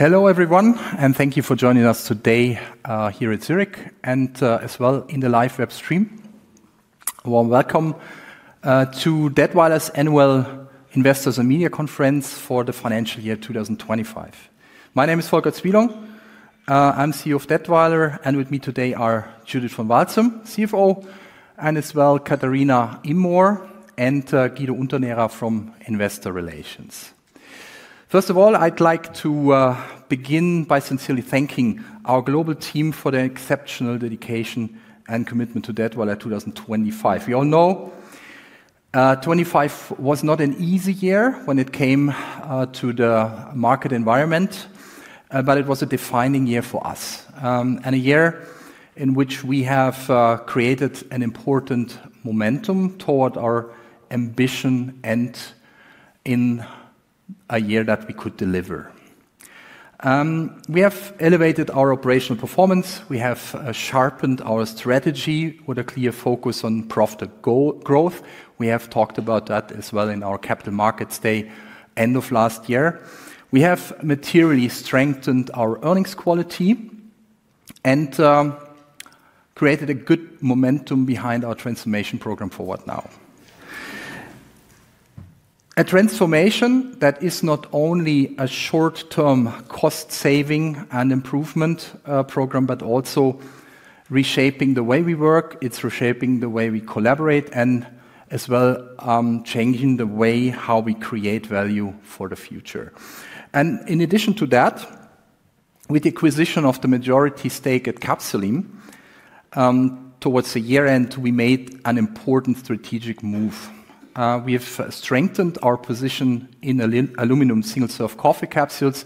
Hello, everyone, and thank you for joining us today here at Zurich and as well in the live web stream. Warm welcome to Datwyler’s Annual Investors and Media Conference for the financial year 2025. My name is Volker Cwielong. I’m CEO of Datwyler, and with me today are Judith van Walsum, CFO, and as well Katharina Immoor and Guido Unternährer from Investor Relations. First of all, I’d like to begin by sincerely thanking our global team for their exceptional dedication and commitment to Datwyler 2025. We all know 2025 was not an easy year when it came to the market environment, but it was a defining year for us, and a year in which we have created an important momentum toward our ambition and in a year that we could deliver. We have elevated our operational performance. We have sharpened our strategy with a clear focus on profit growth. We have talked about that as well in our Capital Markets Day, end of last year. We have materially strengthened our earnings quality and created a good momentum behind our transformation program Forward Now. A transformation that is not only a short-term cost-saving and improvement program, but also reshaping the way we work. It's reshaping the way we collaborate and as well changing the way how we create value for the future. And in addition to that, with the acquisition of the majority stake at Capsul'in, towards the year-end, we made an important strategic move. We have strengthened our position in aluminum single-serve coffee capsules,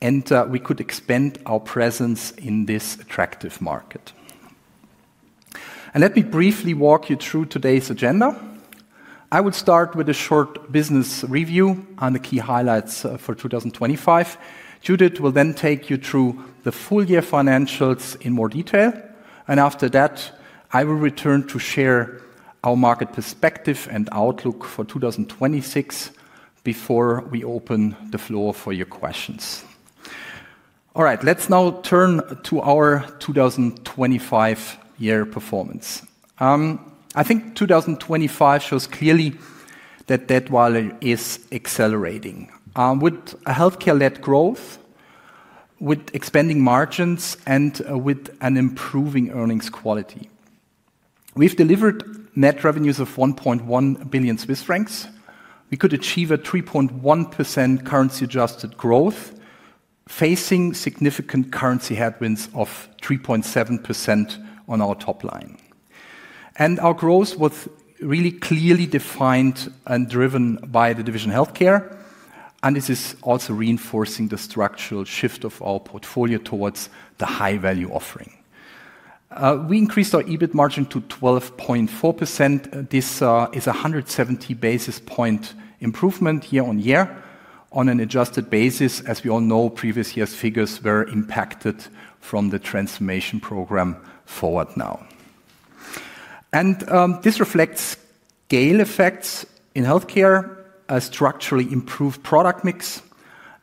and we could expand our presence in this attractive market. And let me briefly walk you through today's agenda. I would start with a short business review on the key highlights for 2025. Judith will then take you through the full-year financials in more detail, and after that, I will return to share our market perspective and outlook for 2026 before we open the floor for your questions. All right, let's now turn to our 2025 year performance. I think 2025 shows clearly that Datwyler is accelerating with a Healthcare-led growth, with expanding margins, and with an improving earnings quality. We've delivered net revenues of 1.1 billion Swiss francs. We could achieve a 3.1% currency-adjusted growth, facing significant currency headwinds of 3.7% on our top line. Our growth was really clearly defined and driven by the division Healthcare, and this is also reinforcing the structural shift of our portfolio towards the high-value offering. We increased our EBIT margin to 12.4%. This is a 170 basis point improvement year-on-year on an adjusted basis. As we all know, previous years' figures were impacted from the transformation program Forward Now. This reflects scale effects in Healthcare, a structurally improved product mix,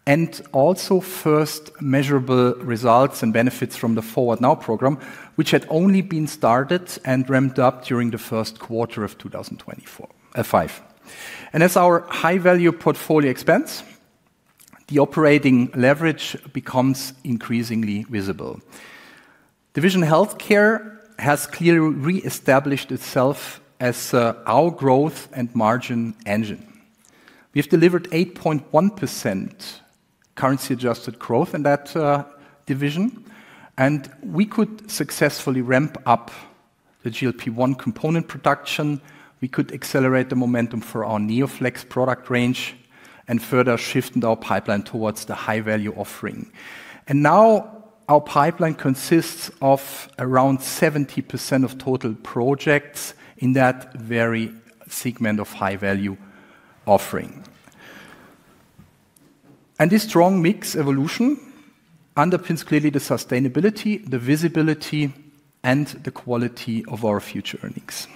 and also first measurable results and benefits from the Forward Now program, which had only been started and ramped up during the first quarter of 2024. As our high-value portfolio expands, the operating leverage becomes increasingly visible. Division Healthcare has clearly re-established itself as our growth and margin engine. We've delivered 8.1% currency-adjusted growth in that division, and we could successfully ramp up the GLP-1 component production. We could accelerate the momentum for our NeoFlex product range and further shifted our pipeline towards the high-value offering. And now, our pipeline consists of around 70% of total projects in that very segment of high-value offering. And this strong mix evolution underpins clearly the sustainability, the visibility, and the quality of our future earnings.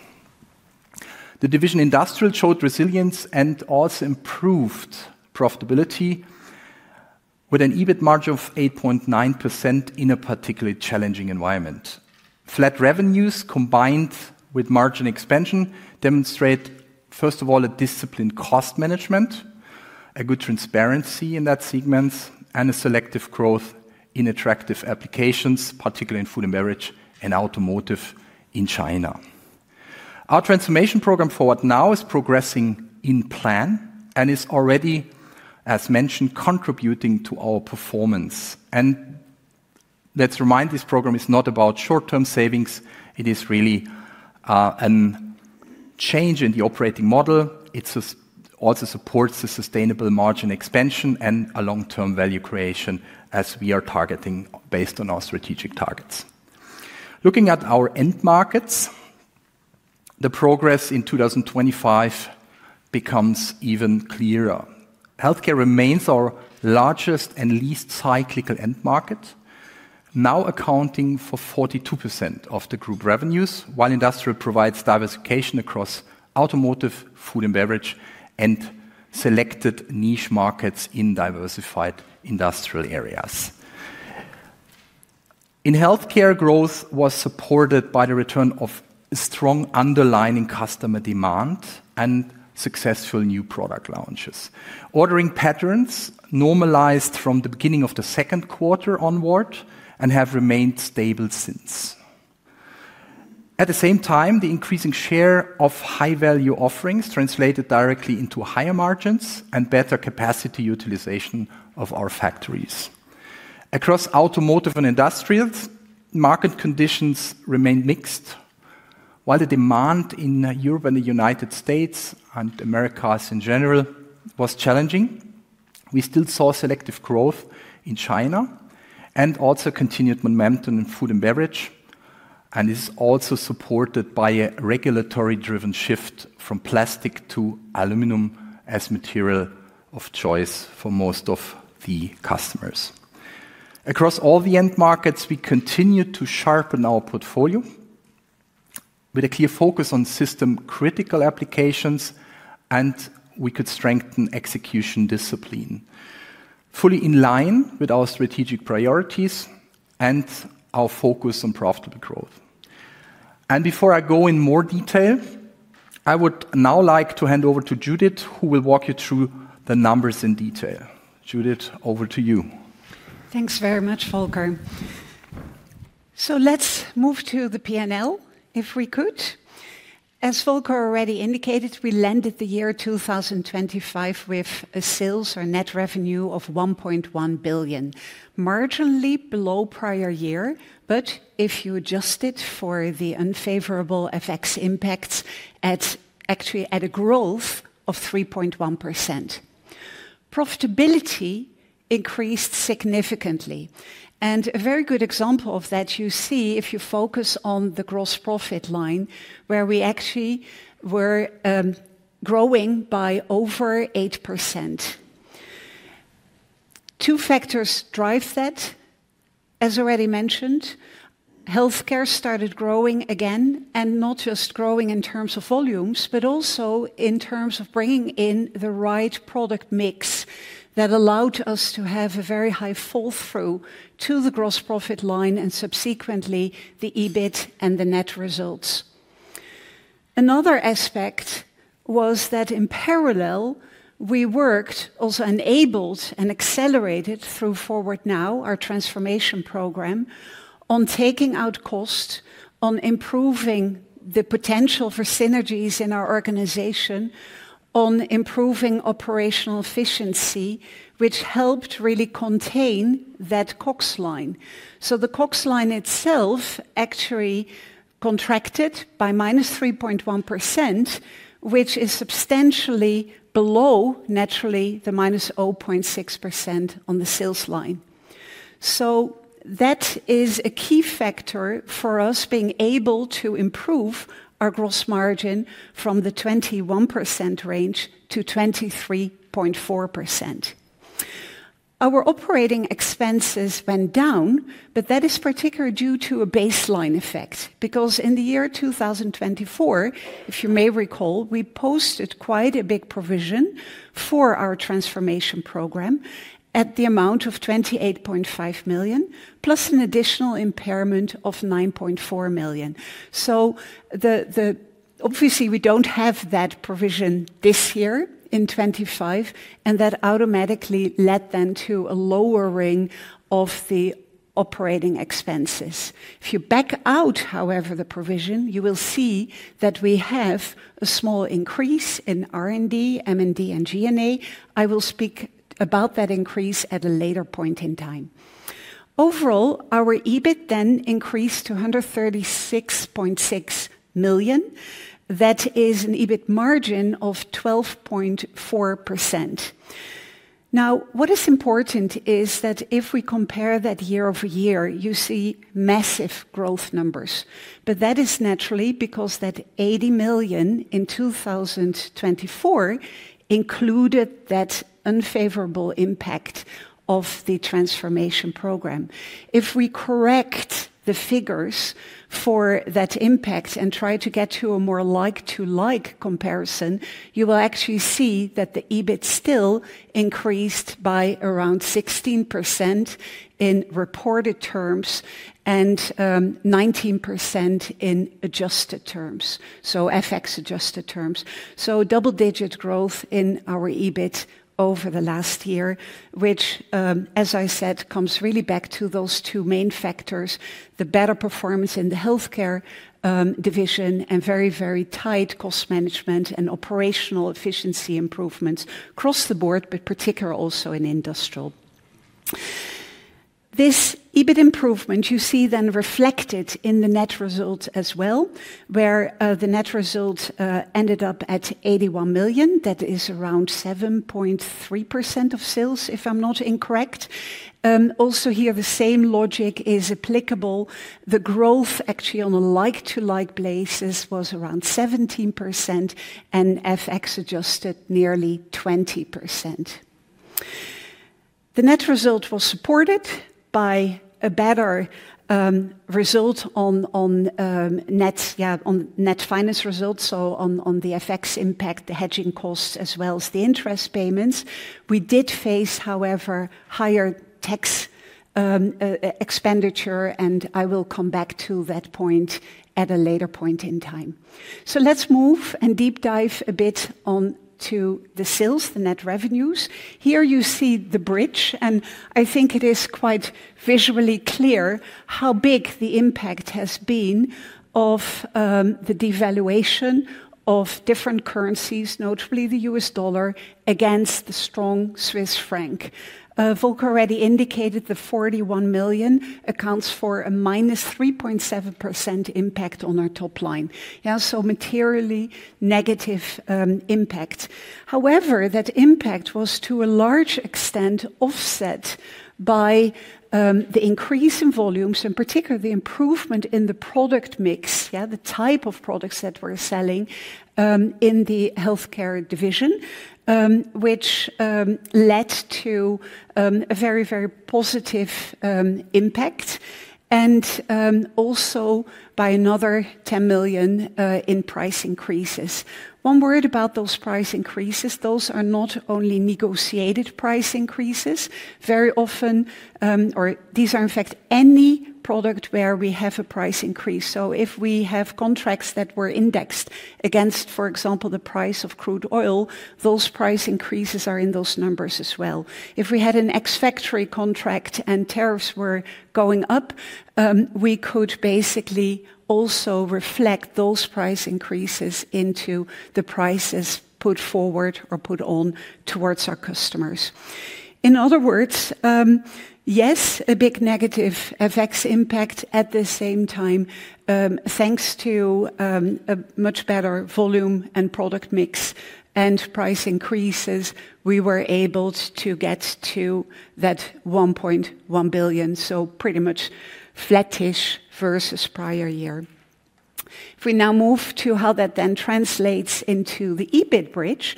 The Industrial division showed resilience and also improved profitability with an EBIT margin of 8.9% in a particularly challenging environment. Flat revenues, combined with margin expansion, demonstrate, first of all, a disciplined cost management, a good transparency in that segment, and a selective growth in attractive applications, particularly in Food & Beverage and Automotive in China. Our transformation program Forward Now is progressing in plan and is already, as mentioned, contributing to our performance. Let's remind, this program is not about short-term savings. It is really a change in the operating model. It also supports the sustainable margin expansion and a long-term value creation as we are targeting based on our strategic targets. Looking at our end markets, the progress in 2025 becomes even clearer. Healthcare remains our largest and least cyclical end market, now accounting for 42% of the group revenues, while Industrial provides diversification across Automotive, Food & Beverage, and selected niche markets in diversified Industrial areas. In Healthcare, growth was supported by the return of strong underlying customer demand and successful new product launches. Ordering patterns normalized from the beginning of the second quarter onward and have remained stable since. At the same time, the increasing share of high-value offerings translated directly into higher margins and better capacity utilization of our factories. Across Automotive and Industrials, market conditions remained mixed. While the demand in Europe and the United States, and Americas in general, was challenging, we still saw selective growth in China and also continued momentum in food and beverage, and is also supported by a regulatory-driven shift from plastic to aluminum as material of choice for most of the customers. Across all the end markets, we continued to sharpen our portfolio with a clear focus on system critical applications, and we could strengthen execution discipline, fully in line with our strategic priorities and our focus on profitable growth. Before I go in more detail, I would now like to hand over to Judith, who will walk you through the numbers in detail. Judith, over to you. Thanks very much, Volker. So let's move to the P&L, if we could. As Volker already indicated, we landed the year 2025 with a sales or net revenue of 1.1 billion. Marginally below prior year, but if you adjust it for the unfavorable FX impacts, actually at a growth of 3.1%. Profitability increased significantly, and a very good example of that you see if you focus on the gross profit line, where we actually were growing by over 8%. Two factors drive that. As already mentioned, Healthcare started growing again, and not just growing in terms of volumes, but also in terms of bringing in the right product mix that allowed us to have a very high fall-through to the gross profit line and subsequently the EBIT and the net results. Another aspect was that in parallel, we worked, also enabled and accelerated through Forward Now, our transformation program, on taking out cost, on improving the potential for synergies in our organization, on improving operational efficiency, which helped really contain that COGS line. So the COGS line itself actually contracted by -3.1%, which is substantially below, naturally, the -0.6% on the sales line. So that is a key factor for us being able to improve our gross margin from the 21% range to 23.4%. Our operating expenses went down, but that is particularly due to a baseline effect, because in the year 2024, if you may recall, we posted quite a big provision for our transformation program at the amount of 28.5 million, plus an additional impairment of 9.4 million. So, obviously, we don't have that provision this year in 25, and that automatically led then to a lowering of the operating expenses. If you back out, however, the provision, you will see that we have a small increase in R&D, M&S, and G&A. I will speak about that increase at a later point in time. Overall, our EBIT then increased to 136.6 million. That is an EBIT margin of 12.4%. Now, what is important is that if we compare that year-over-year, you see massive growth numbers, but that is naturally because that 80 million in 2024 included that unfavorable impact of the transformation program. If we correct the figures for that impact and try to get to a more like-to-like comparison, you will actually see that the EBIT still increased by around 16% in reported terms and 19% in adjusted terms, so FX adjusted terms. So double-digit growth in our EBIT over the last year, which, as I said, comes really back to those two main factors: the better performance in the Healthcare division and very, very tight cost management and operational efficiency improvements across the board, but particularly also in Industrial. This EBIT improvement you see then reflected in the net results as well, where the net results ended up at 81 million. That is around 7.3% of sales, if I'm not incorrect. Also here, the same logic is applicable. The growth actually on a like-to-like basis was around 17% and FX adjusted nearly 20%.... The net result was supported by a better result on net finance results, so on the effects impact, the hedging costs, as well as the interest payments. We did face, however, higher tax expenditure, and I will come back to that point at a later point in time. Let's move and deep dive a bit onto the sales, the net revenues. Here you see the bridge, and I think it is quite visually clear how big the impact has been of the devaluation of different currencies, notably the US dollar, against the strong Swiss franc. Volker already indicated the 41 million accounts for a -3.7% impact on our top line. Yeah, so materially negative impact. However, that impact was to a large extent offset by the increase in volumes, and particularly the improvement in the product mix, yeah, the type of products that we're selling in the Healthcare division, which led to a very, very positive impact, and also by another 10 million in price increases. One word about those price increases: those are not only negotiated price increases. Very often, or these are, in fact, any product where we have a price increase. So if we have contracts that were indexed against, for example, the price of crude oil, those price increases are in those numbers as well. If we had an ex-factory contract and tariffs were going up, we could basically also reflect those price increases into the prices put forward or put on towards our customers. In other words, yes, a big negative effects impact. At the same time, thanks to a much better volume and product mix and price increases, we were able to get to that 1.1 billion, so pretty much flattish versus prior year. If we now move to how that then translates into the EBIT bridge,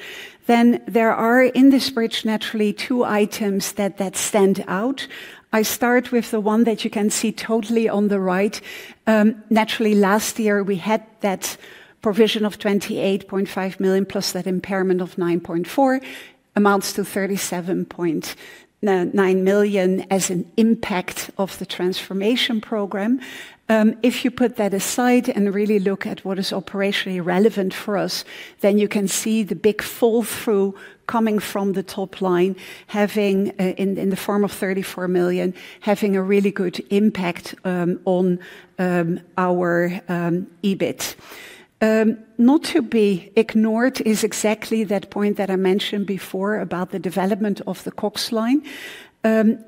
then there are, in this bridge, naturally two items that, that stand out. I start with the one that you can see totally on the right. Naturally, last year we had that provision of 28.5 million, plus that impairment of 9.4 million, amounts to 37.9 million as an impact of the transformation program. If you put that aside and really look at what is operationally relevant for us, then you can see the big fall-through coming from the top line, having in the form of 34 million, having a really good impact on our EBIT. Not to be ignored is exactly that point that I mentioned before about the development of the COGS line.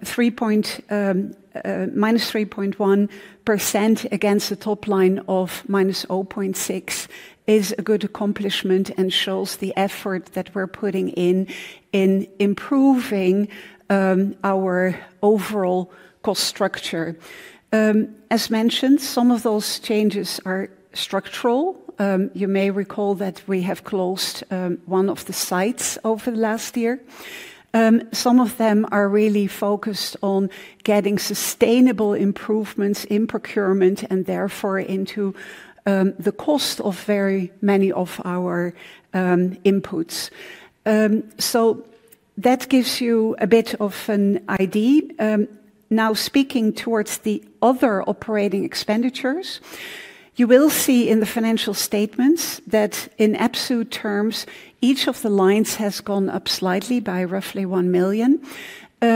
Three point minus 3.1% against the top line of minus 0.6% is a good accomplishment and shows the effort that we're putting in in improving our overall cost structure. As mentioned, some of those changes are structural. You may recall that we have closed one of the sites over the last year. Some of them are really focused on getting sustainable improvements in procurement, and therefore into the cost of very many of our inputs. So that gives you a bit of an idea. Now speaking towards the other operating expenditures, you will see in the financial statements that in absolute terms, each of the lines has gone up slightly by roughly 1 million.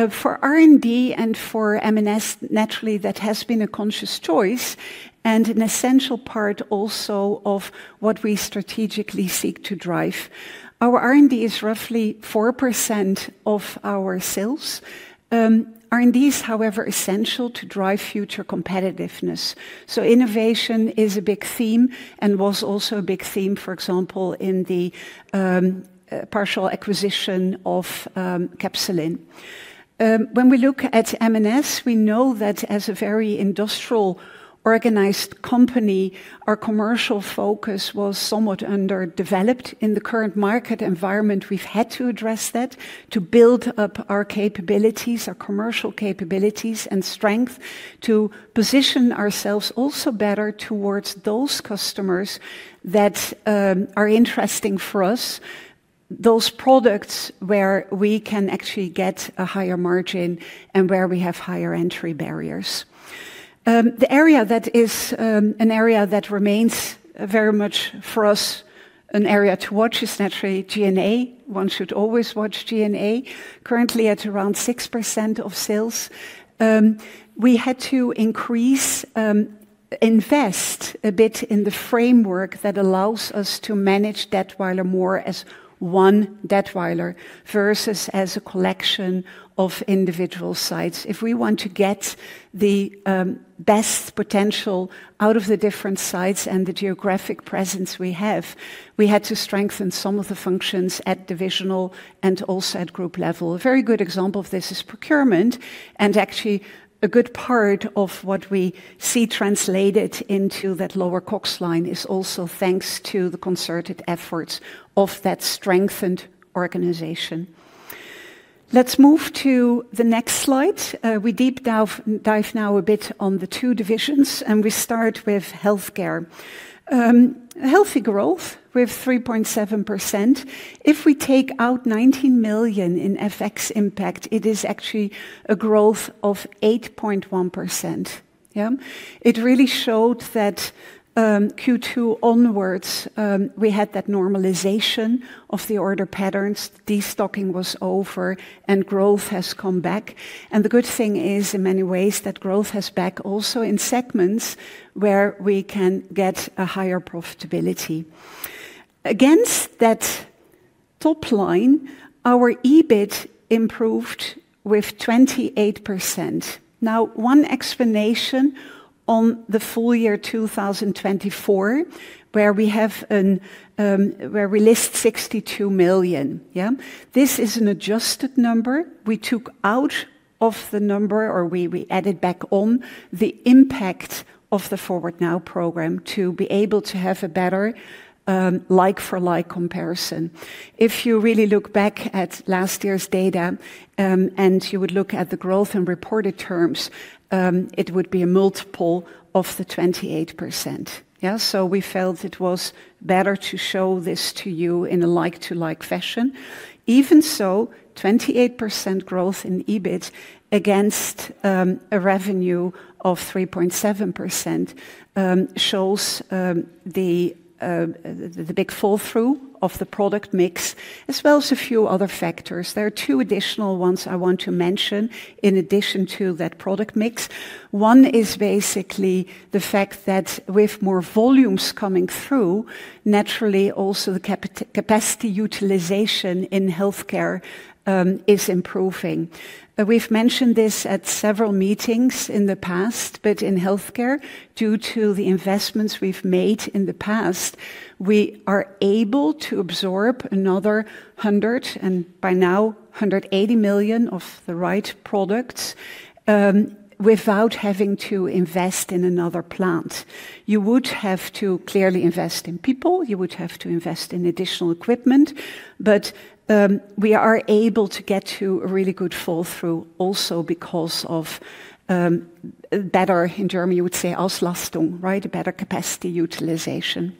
For R&D and for M&S, naturally, that has been a conscious choice and an essential part also of what we strategically seek to drive. Our R&D is roughly 4% of our sales. R&D is, however, essential to drive future competitiveness, so innovation is a big theme and was also a big theme, for example, in the partial acquisition of Capsul'in. When we look at M&S, we know that as a very Industrial, organized company, our commercial focus was somewhat underdeveloped. In the current market environment, we've had to address that to build up our capabilities, our commercial capabilities and strength, to position ourselves also better towards those customers that are interesting for us, those products where we can actually get a higher margin and where we have higher entry barriers. The area that is an area that remains very much for us an area to watch is naturally G&A. One should always watch G&A. Currently at around 6% of sales. We had to invest a bit in the framework that allows us to manage Datwyler more as one Datwyler versus as a collection of individual sites. If we want to get the best potential out of the different sites and the geographic presence we have, we had to strengthen some of the functions at divisional and also at group level. A very good example of this is procurement, and actually, a good part of what we see translated into that lower COGS line is also thanks to the concerted efforts of that strengthened organization. Let's move to the next slide. We deep dive now a bit on the two divisions, and we start with Healthcare. Healthy growth with 3.7%. If we take out 19 million in FX impact, it is actually a growth of 8.1%. Yeah. It really showed that Q2 onwards, we had that normalization of the order patterns, destocking was over, and growth has come back. The good thing is, in many ways, that growth is back also in segments where we can get a higher profitability. Against that top line, our EBIT improved with 28%. Now, one explanation on the full year 2024, where we list 62 million, yeah? This is an adjusted number we took out of the number, or we, we added back on the impact of the Forward Now program to be able to have a better, like for like comparison. If you really look back at last year's data, and you would look at the growth in reported terms, it would be a multiple of the 28%. Yeah. So we felt it was better to show this to you in a like-to-like fashion. Even so, 28% growth in EBIT against a revenue of 3.7% shows the big fall-through of the product mix, as well as a few other factors. There are two additional ones I want to mention in addition to that product mix. One is basically the fact that with more volumes coming through, naturally, also the capacity utilization in Healthcare is improving. We've mentioned this at several meetings in the past, but in Healthcare, due to the investments we've made in the past, we are able to absorb another 100 million, and by now, 180 million of the right products without having to invest in another plant. You would have to clearly invest in people, you would have to invest in additional equipment, but we are able to get to a really good fall-through also because of better, in German, you would say, Auslastung, right? A better capacity utilization.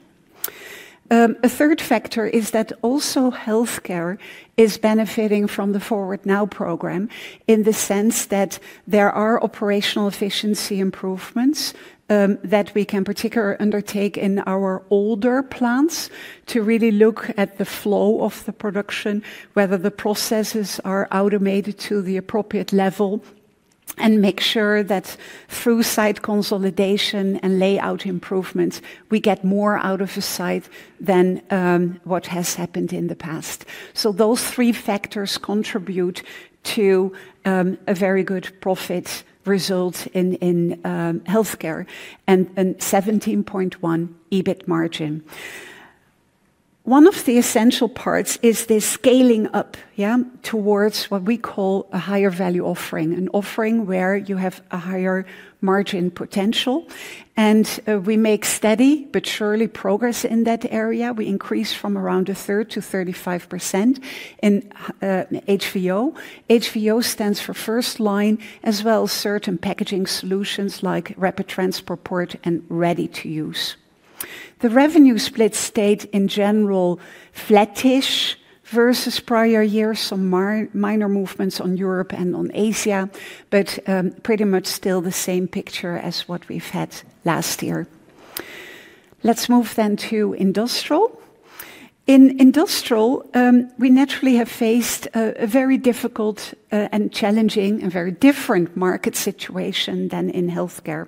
A third factor is that also Healthcare is benefiting from the Forward Now program in the sense that there are operational efficiency improvements that we can particularly undertake in our older plants to really look at the flow of the production, whether the processes are automated to the appropriate level, and make sure that through site consolidation and layout improvements, we get more out of a site than what has happened in the past. So those three factors contribute to a very good profit result in Healthcare and 17.1% EBIT margin. One of the essential parts is the scaling up, yeah, towards what we call a high-value offering, an offering where you have a higher margin potential, and, we make steady but surely progress in that area. We increase from around a third to 35% in, High Value. High Value stands for FirstLine, as well as certain packaging solutions like Rapid Transfer and ready-to-use. The revenue split stayed, in general, flattish versus prior years, some minor movements on Europe and on Asia, but, pretty much still the same picture as what we've had last year. Let's move then to Industrial. In Industrial, we naturally have faced a very difficult, and challenging and very different market situation than in Healthcare.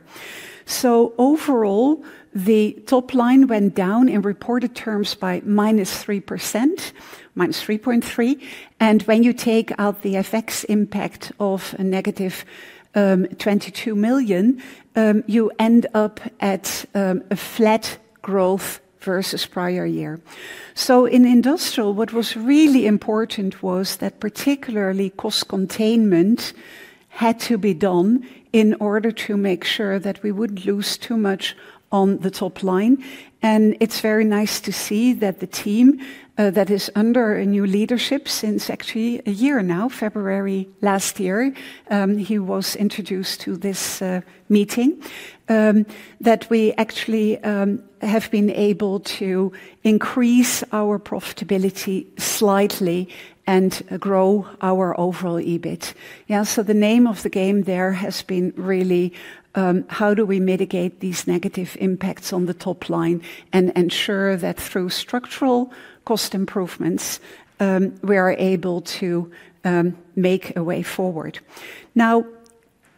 So overall, the top line went down in reported terms by -3%, -3.3, and when you take out the FX impact of a negative 22 million, you end up at a flat growth versus prior year. So in Industrial, what was really important was that particularly cost containment had to be done in order to make sure that we wouldn't lose too much on the top line. And it's very nice to see that the team that is under a new leadership since actually a year now, February last year, he was introduced to this meeting that we actually have been able to increase our profitability slightly and grow our overall EBIT. Yeah, so the name of the game there has been really, how do we mitigate these negative impacts on the top line and ensure that through structural cost improvements, we are able to make a way forward? Now,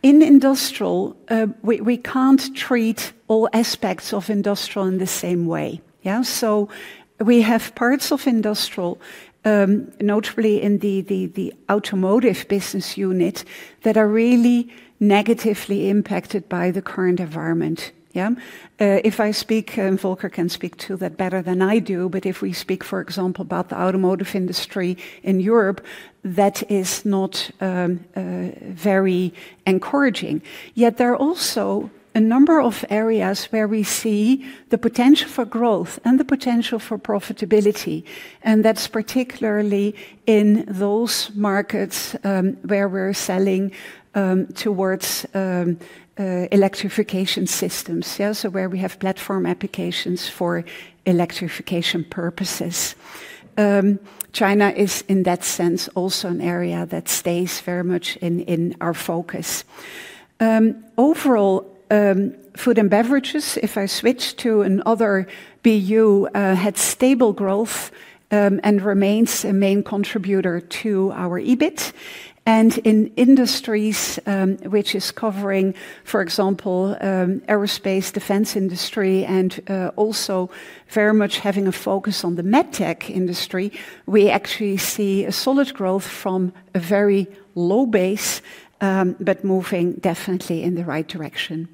in Industrial, we can't treat all aspects of Industrial in the same way. Yeah? So we have parts of Industrial, notably in the Automotive business unit, that are really negatively impacted by the current environment, yeah. If I speak, and Volker can speak to that better than I do, but if we speak, for example, about the Automotive industry in Europe, that is not very encouraging. Yet there are also a number of areas where we see the potential for growth and the potential for profitability, and that's particularly in those markets where we're selling towards electrification systems. Yeah, so where we have platform applications for electrification purposes. China is, in that sense, also an area that stays very much in our focus. Overall, food and beverages, if I switch to another BU, had stable growth and remains a main contributor to our EBIT. And in industries, which is covering, for example, aerospace, defense industry, and also very much having a focus on the med tech industry, we actually see a solid growth from a very low base but moving definitely in the right direction.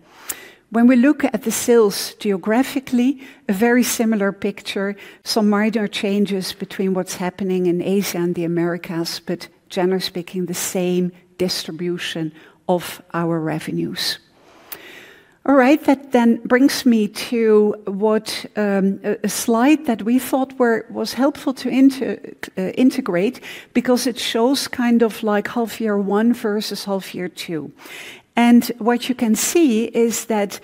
When we look at the sales geographically, a very similar picture. Some minor changes between what's happening in Asia and the Americas, but generally speaking, the same distribution of our revenues. All right. That then brings me to what a slide that we thought was helpful to integrate, because it shows kind of like half year one versus half year two. And what you can see is that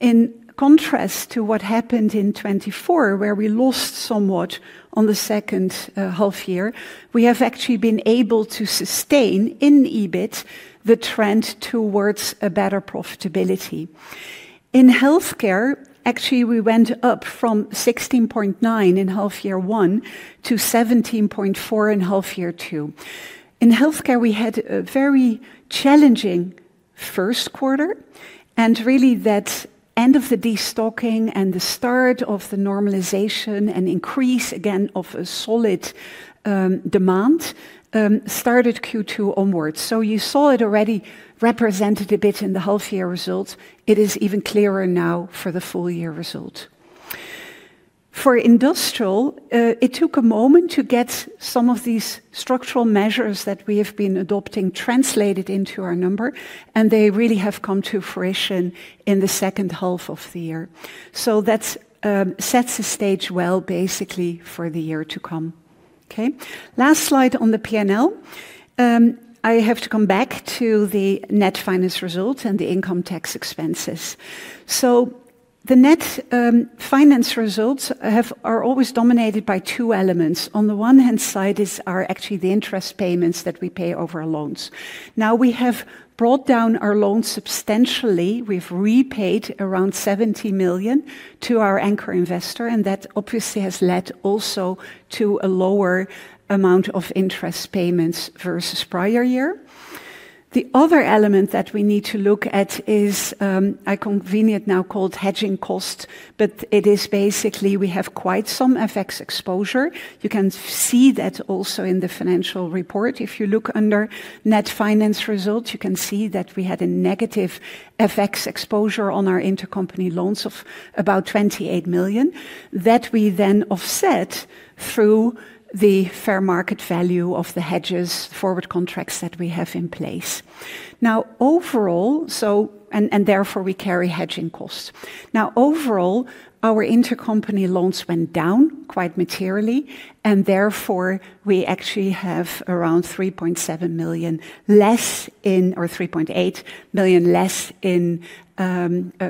in contrast to what happened in 2024, where we lost somewhat on the second half year, we have actually been able to sustain in EBIT the trend towards a better profitability. In healthcare, actually, we went up from 16.9% in half year one to 17.4% in half year two. In healthcare, we had a very challenging first quarter, and really that end of the destocking and the start of the normalization and increase again of a solid demand started Q2 onwards. So you saw it already represented a bit in the half year results. It is even clearer now for the full year result. For Industrial, it took a moment to get some of these structural measures that we have been adopting translated into our number, and they really have come to fruition in the second half of the year. So that sets the stage well, basically for the year to come. Okay? Last slide on the P&L. I have to come back to the net finance result and the income tax expenses. So the net finance results are always dominated by two elements. On the one hand side are actually the interest payments that we pay over our loans. Now, we have brought down our loans substantially. We've repaid around 70 million to our anchor investor, and that obviously has led also to a lower amount of interest payments versus prior year. The other element that we need to look at is, it's conveniently now called hedging cost, but it is basically we have quite some FX exposure. You can see that also in the financial report. If you look under net finance results, you can see that we had a negative FX exposure on our intercompany loans of about 28 million, that we then offset through the fair market value of the hedging forward contracts that we have in place. Now, overall, therefore, we carry hedging costs. Now, overall, our intercompany loans went down quite materially, and therefore, we actually have around 3.7 million less in, or 3.8 million less in,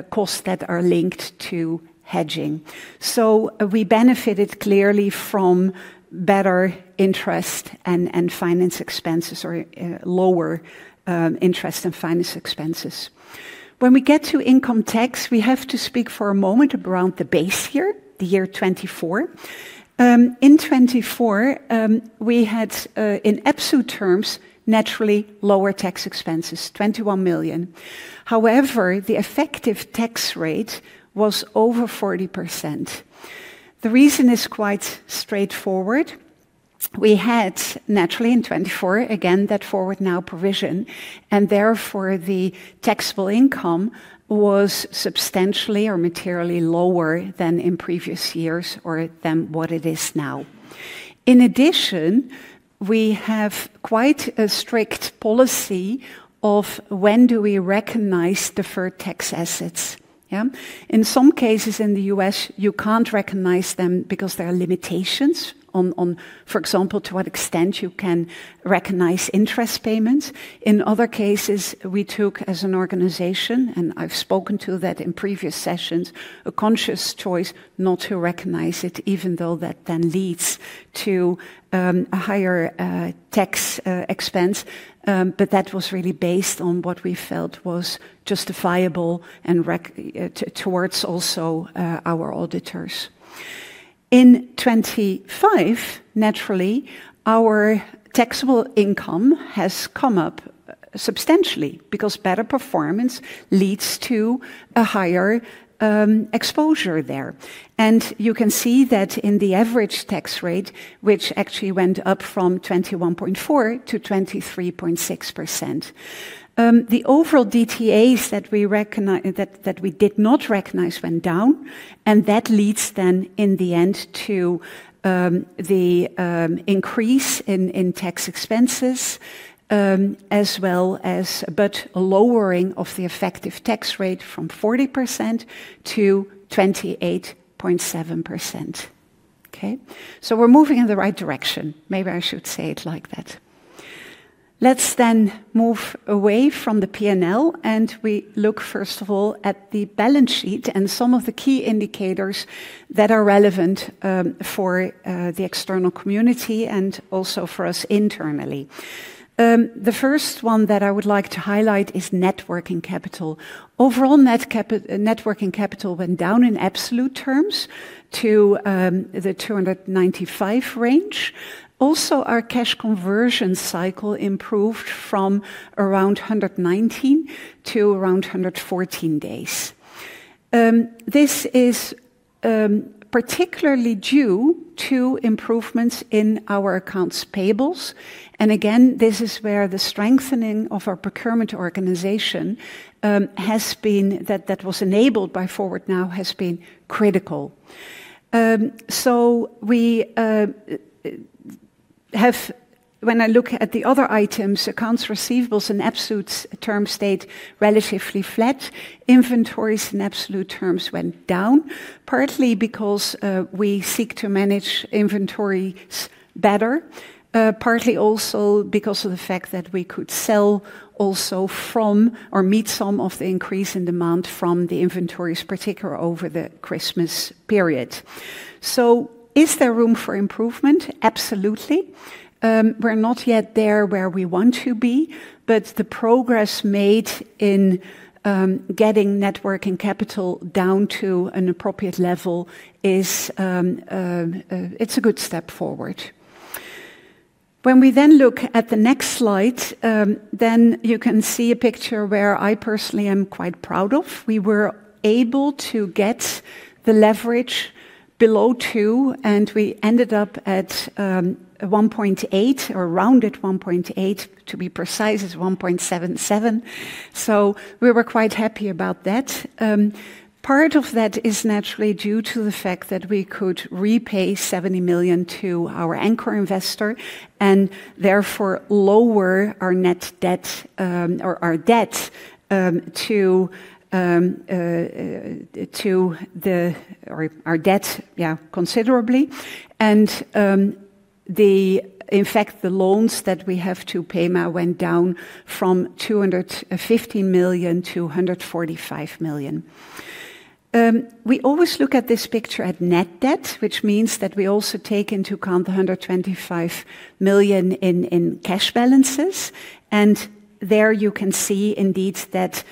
costs that are linked to hedging. So we benefited clearly from better interest and finance expenses, or lower interest and finance expenses. When we get to income tax, we have to speak for a moment around the base year, the year 2024. In 2024, we had, in absolute terms, naturally lower tax expenses, 21 million. However, the effective tax rate was over 40%. The reason is quite straightforward. We had, naturally, in 2024, again, that Forward Now provision, and therefore, the taxable income was substantially or materially lower than in previous years or than what it is now. In addition, we have quite a strict policy of when do we recognize deferred tax assets? Yeah. In some cases, in the U.S., you can't recognize them because there are limitations on, for example, to what extent you can recognize interest payments. In other cases, we took as an organization, and I've spoken to that in previous sessions, a conscious choice not to recognize it, even though that then leads to a higher tax expense. But that was really based on what we felt was justifiable and recognizable towards also our auditors. In 2025, naturally, our taxable income has come up substantially because better performance leads to a higher exposure there. And you can see that in the average tax rate, which actually went up from 21.4% to 23.6%. The overall DTAs that we did not recognize went down, and that leads then in the end to the increase in tax expenses, as well as, but lowering of the effective tax rate from 40% to 28.7%. Okay? So we're moving in the right direction. Maybe I should say it like that. Let's then move away from the P&L, and we look, first of all, at the balance sheet and some of the key indicators that are relevant for the external community and also for us internally. The first one that I would like to highlight is net working capital. Overall net working capital went down in absolute terms to the 295 range. Also, our cash conversion cycle improved from around 119 to around 114 days. This is particularly due to improvements in our accounts payables, and again, this is where the strengthening of our procurement organization, that was enabled by Forward Now, has been critical. So, when I look at the other items, accounts receivables in absolute terms stayed relatively flat. Inventories in absolute terms went down, partly because we seek to manage inventories better, partly also because of the fact that we could sell also from or meet some of the increase in demand from the inventories, particularly over the Christmas period. So is there room for improvement? Absolutely. We're not yet there where we want to be, but the progress made in getting net working capital down to an appropriate level is. It's a good step forward. When we then look at the next slide, then you can see a picture where I personally am quite proud of. We were able to get the leverage below 2, and we ended up at 1.8 or around at 1.8, to be precise, it's 1.77. So we were quite happy about that. Part of that is naturally due to the fact that we could repay 70 million to our anchor investor and therefore lower our net debt, or our debt, yeah, considerably. In fact, the loans that we have to pay now went down from 250 million to 145 million. We always look at this picture at net debt, which means that we also take into account the 125 million in cash balances. There you can see indeed that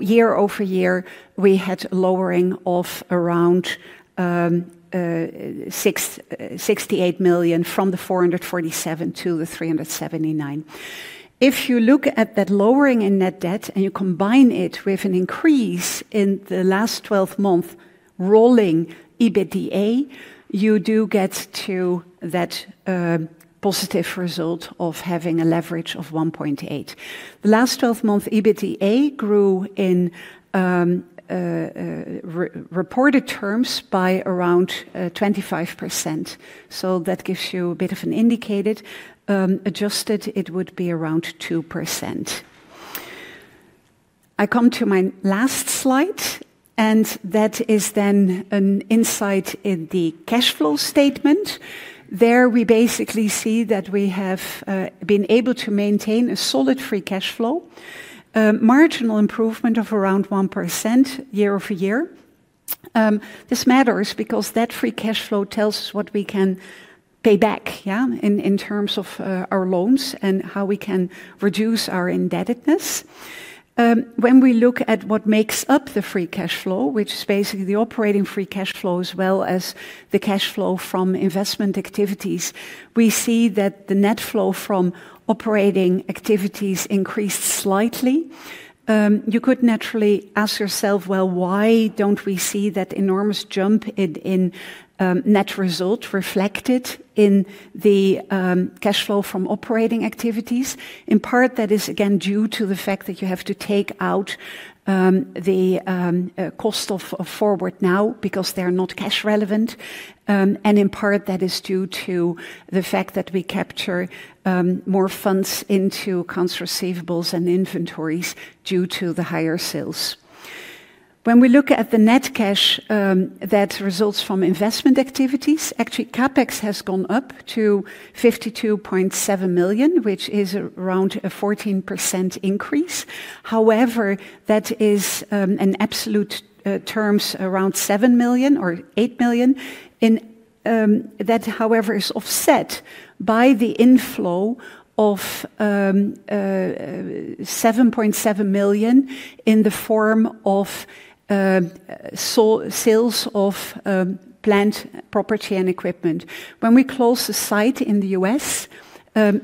year-over-year, we had lowering of around 68 million from the 447 to the 379. If you look at that lowering in net debt, and you combine it with an increase in the last twelve-month rolling EBITDA, you do get to that positive result of having a leverage of 1.8. The last twelve-month EBITDA grew in reported terms by around 25%. So that gives you a bit of an indicated, adjusted, it would be around 2%. I come to my last slide, and that is then an insight in the cash flow statement. There, we basically see that we have been able to maintain a solid free cash flow, a marginal improvement of around 1% year-over-year. This matters because that free cash flow tells us what we can pay back, yeah, in, in terms of, our loans and how we can reduce our indebtedness. When we look at what makes up the free cash flow, which is basically the operating free cash flow, as well as the cash flow from investment activities, we see that the net flow from operating activities increased slightly. You could naturally ask yourself: Well, why don't we see that enormous jump in net result reflected in the cash flow from operating activities? In part, that is again due to the fact that you have to take out the cost of Forward Now, because they are not cash relevant. And in part, that is due to the fact that we capture more funds into accounts receivables and inventories due to the higher sales. When we look at the net cash that results from investment activities, actually, CapEx has gone up to 52.7 million, which is around a 14% increase. However, that is in absolute terms around 7 million or 8 million in... That, however, is offset by the inflow of 7.7 million in the form of sales of plant, property and equipment. When we close the site in the U.S.,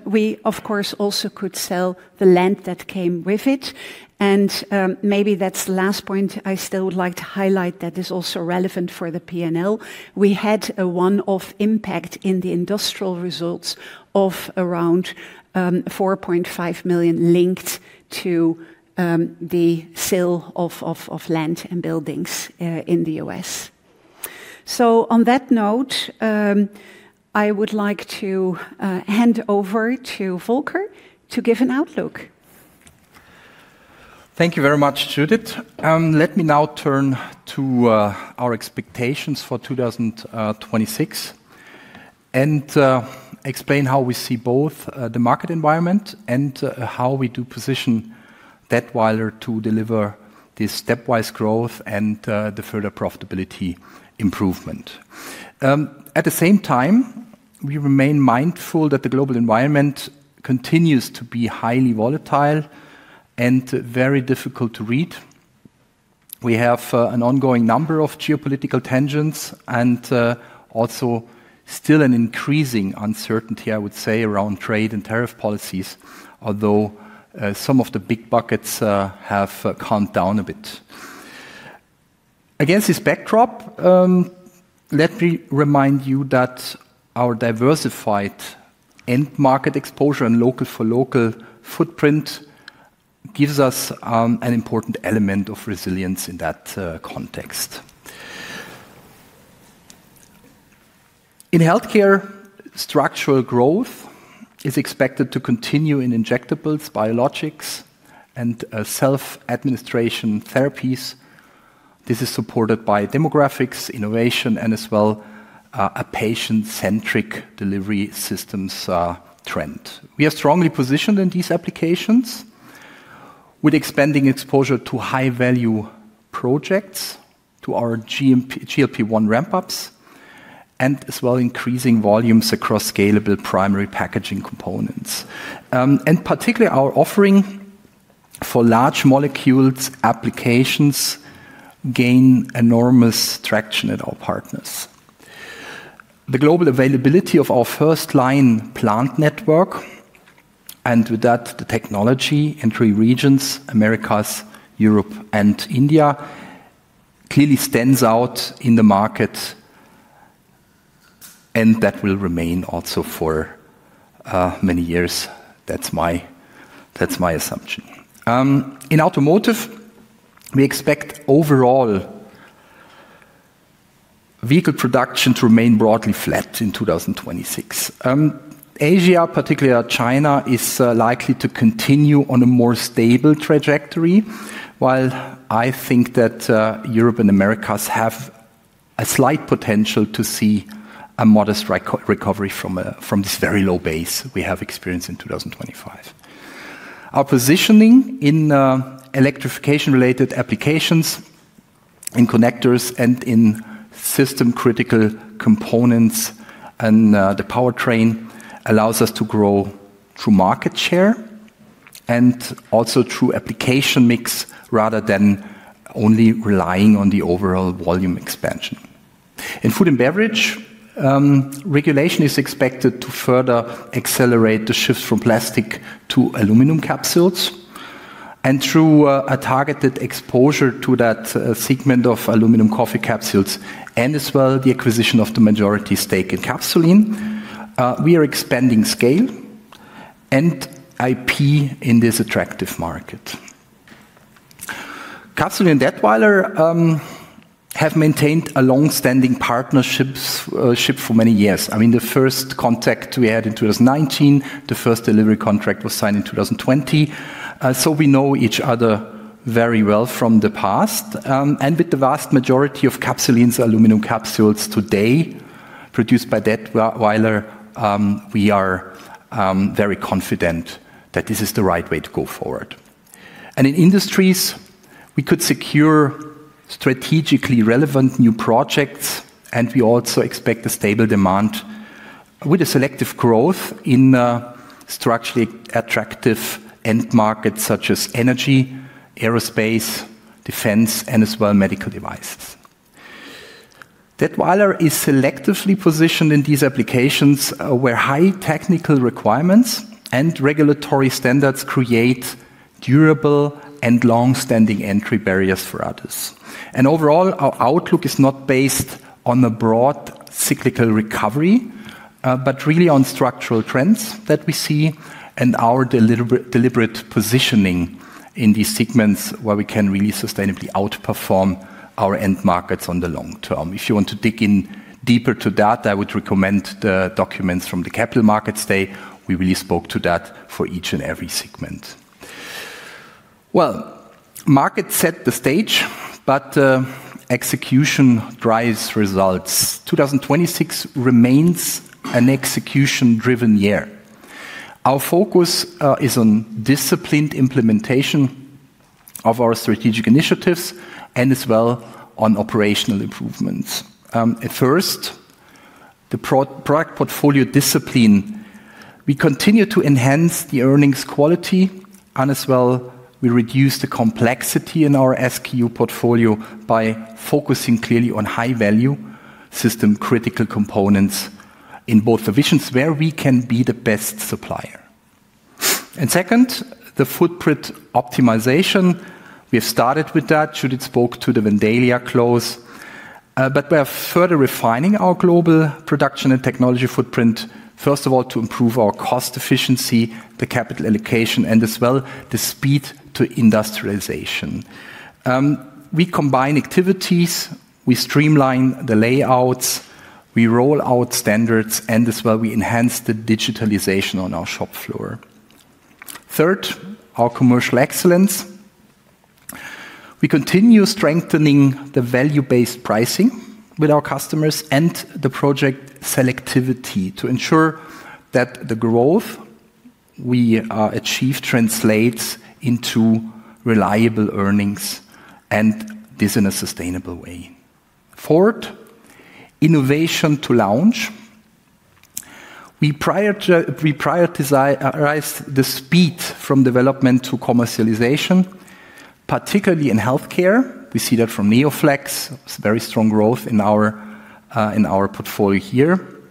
we, of course, also could sell the land that came with it, and maybe that's the last point I still would like to highlight that is also relevant for the P&L. We had a one-off impact in the Industrial results of around 4.5 million linked to the sale of land and buildings in the U.S. So on that note, I would like to hand over to Volker to give an outlook. Thank you very much, Judith. Let me now turn to our expectations for 2026 and explain how we see both the market environment and how we do position Datwyler to deliver this stepwise growth and the further profitability improvement. At the same time, we remain mindful that the global environment continues to be highly volatile and very difficult to read. We have an ongoing number of geopolitical tensions and also still an increasing uncertainty, I would say, around trade and tariff policies, although some of the big buckets have calmed down a bit. Against this backdrop, let me remind you that our diversified end market exposure and local for local footprint gives us an important element of resilience in that context. In Healthcare, structural growth is expected to continue in injectables, biologics, and self-administration therapies. This is supported by demographics, innovation, and as well, a patient-centric delivery systems trend. We are strongly positioned in these applications with expanding exposure to high-value projects, to our GMP-GLP-1 ramp-ups, and as well increasing volumes across scalable primary packaging components. And particularly our offering for large molecules applications gain enormous traction at our partners. The global availability of our FirstLine plant network, and with that, the technology in three regions, Americas, Europe, and India, clearly stands out in the market, and that will remain also for many years. That's my, that's my assumption. In Automotive, we expect overall vehicle production to remain broadly flat in 2026. Asia, particularly China, is likely to continue on a more stable trajectory, while I think that Europe and Americas have a slight potential to see a modest recovery from this very low base we have experienced in 2025. Our positioning in electrification-related applications, in connectors, and in system-critical components and the powertrain, allows us to grow through market share and also through application mix, rather than only relying on the overall volume expansion. In food and beverage, regulation is expected to further accelerate the shift from plastic to aluminum capsules, and through a targeted exposure to that segment of aluminum coffee capsules, and as well, the acquisition of the majority stake in Capsul'in, we are expanding scale and IP in this attractive market. Capsul'in and Datwyler have maintained a long-standing partnership for many years. I mean, the first contact we had in 2019, the first delivery contract was signed in 2020. So we know each other very well from the past. And with the vast majority of Capsul'in's aluminum capsules today produced by Datwyler, we are very confident that this is the right way to go forward. And in industries, we could secure strategically relevant new projects, and we also expect a stable demand with a selective growth in structurally attractive end markets such as energy, aerospace, defense, and as well, medical devices. Datwyler is selectively positioned in these applications where high technical requirements and regulatory standards create durable and long-standing entry barriers for others. Overall, our outlook is not based on a broad cyclical recovery, but really on structural trends that we see and our deliberate positioning in these segments where we can really sustainably outperform our end markets on the long term. If you want to dig in deeper to that, I would recommend the documents from the Capital Markets Day. We really spoke to that for each and every segment. Well, market set the stage, but execution drives results. 2026 remains an execution-driven year. Our focus is on disciplined implementation of our strategic initiatives and as well on operational improvements. At first, the product portfolio discipline. We continue to enhance the earnings quality, and as well, we reduce the complexity in our SKU portfolio by focusing clearly on high-value, system-critical components in both divisions where we can be the best supplier. Second, the footprint optimization. We have started with that. Judith spoke to the Vandalia close, but we are further refining our global production and technology footprint, first of all, to improve our cost efficiency, the capital allocation, and as well, the speed to industrialization. We combine activities, we streamline the layouts, we roll out standards, and as well, we enhance the digitalization on our shop floor. Third, our commercial excellence. We continue strengthening the value-based pricing with our customers and the project selectivity to ensure that the growth we achieve translates into reliable earnings and this in a sustainable way. Fourth, innovation to launch. We prioritize the speed from development to commercialization, particularly in Healthcare. We see that from NeoFlex. It's very strong growth in our portfolio here,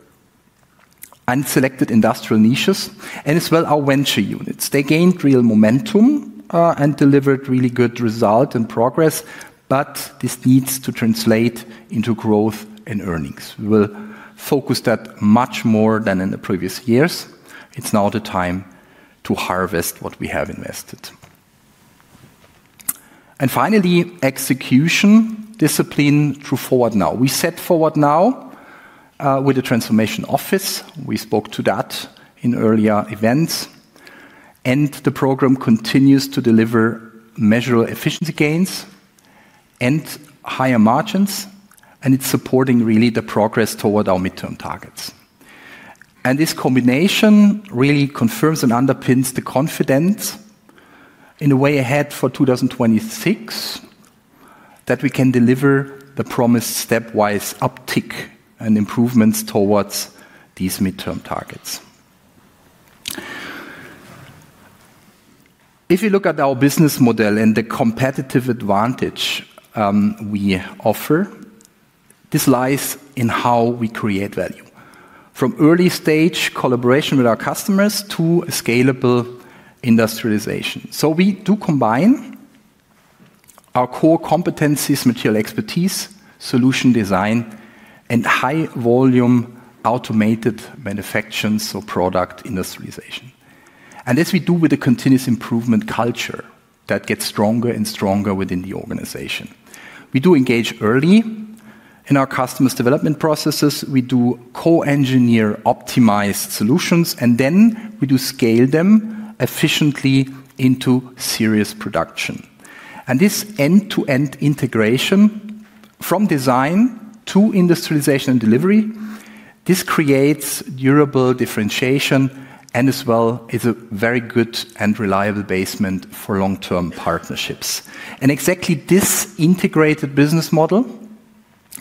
and selected Industrial niches, and as well our venture units. They gained real momentum, and delivered really good result and progress, but this needs to translate into growth and earnings. We will focus that much more than in the previous years. It's now the time to harvest what we have invested. And finally, execution discipline through Forward Now. We set Forward Now, with the transformation office. We spoke to that in earlier events, and the program continues to deliver measurable efficiency gains and higher margins, and it's supporting really the progress toward our midterm targets. And this combination really confirms and underpins the confidence in the way ahead for 2026, that we can deliver the promised stepwise uptick and improvements towards these midterm targets. If you look at our business model and the competitive advantage we offer, this lies in how we create value. From early-stage collaboration with our customers to scalable industrialization. So we do combine our core competencies, material expertise, solution design, and high-volume automated manufacturing, so product industrialization. And this we do with a continuous improvement culture that gets stronger and stronger within the organization. We do engage early in our customers' development processes. We do co-engineer optimized solutions, and then we do scale them efficiently into serious production. And this end-to-end integration from design to industrialization and delivery, this creates durable differentiation and as well, is a very good and reliable basis for long-term partnerships. And exactly this integrated business model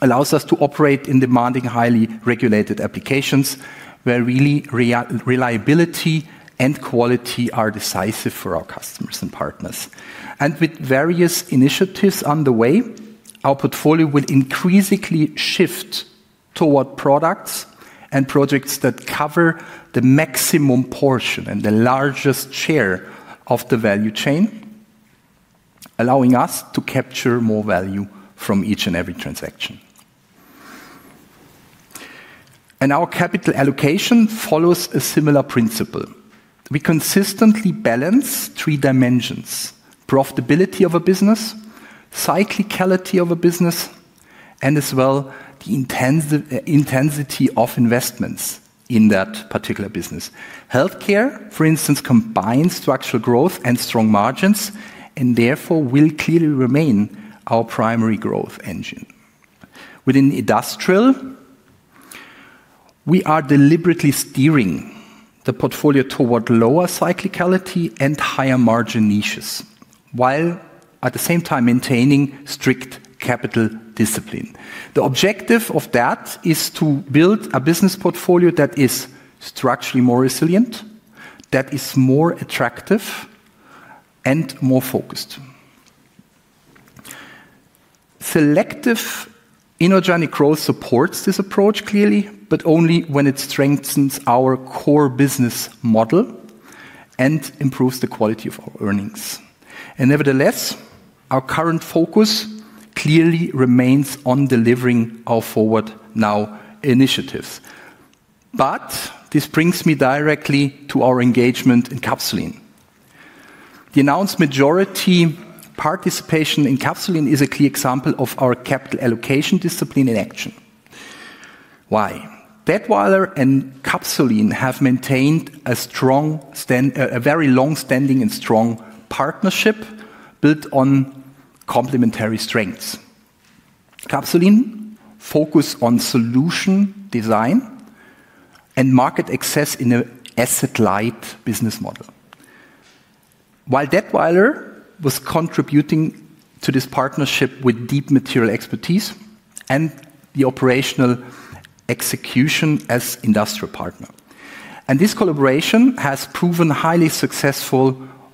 allows us to operate in demanding, highly regulated applications, where really reliability and quality are decisive for our customers and partners. With various initiatives on the way, our portfolio will increasingly shift toward products and projects that cover the maximum portion and the largest share of the value chain, allowing us to capture more value from each and every transaction. Our capital allocation follows a similar principle. We consistently balance three dimensions: profitability of a business, cyclicality of a business, and as well, the intensity of investments in that particular business. Healthcare, for instance, combines structural growth and strong margins, and therefore will clearly remain our primary growth engine. Within Industrial, we are deliberately steering the portfolio toward lower cyclicality and higher-margin niches, while at the same time maintaining strict capital discipline. The objective of that is to build a business portfolio that is structurally more resilient, that is more attractive and more focused. Selective inorganic growth supports this approach clearly, but only when it strengthens our core business model and improves the quality of our earnings. Nevertheless, our current focus clearly remains on delivering our Forward Now initiatives. This brings me directly to our engagement in Capsul'in. The announced majority participation in Capsul'in is a clear example of our capital allocation discipline in action. Why? Datwyler and Capsul'in have maintained a very long-standing and strong partnership built on complementary strengths. Capsul'in focus on solution design and market access in a asset-light business model. While Datwyler was contributing to this partnership with deep material expertise and the operational execution as Industrial partner, and this collaboration has proven highly successful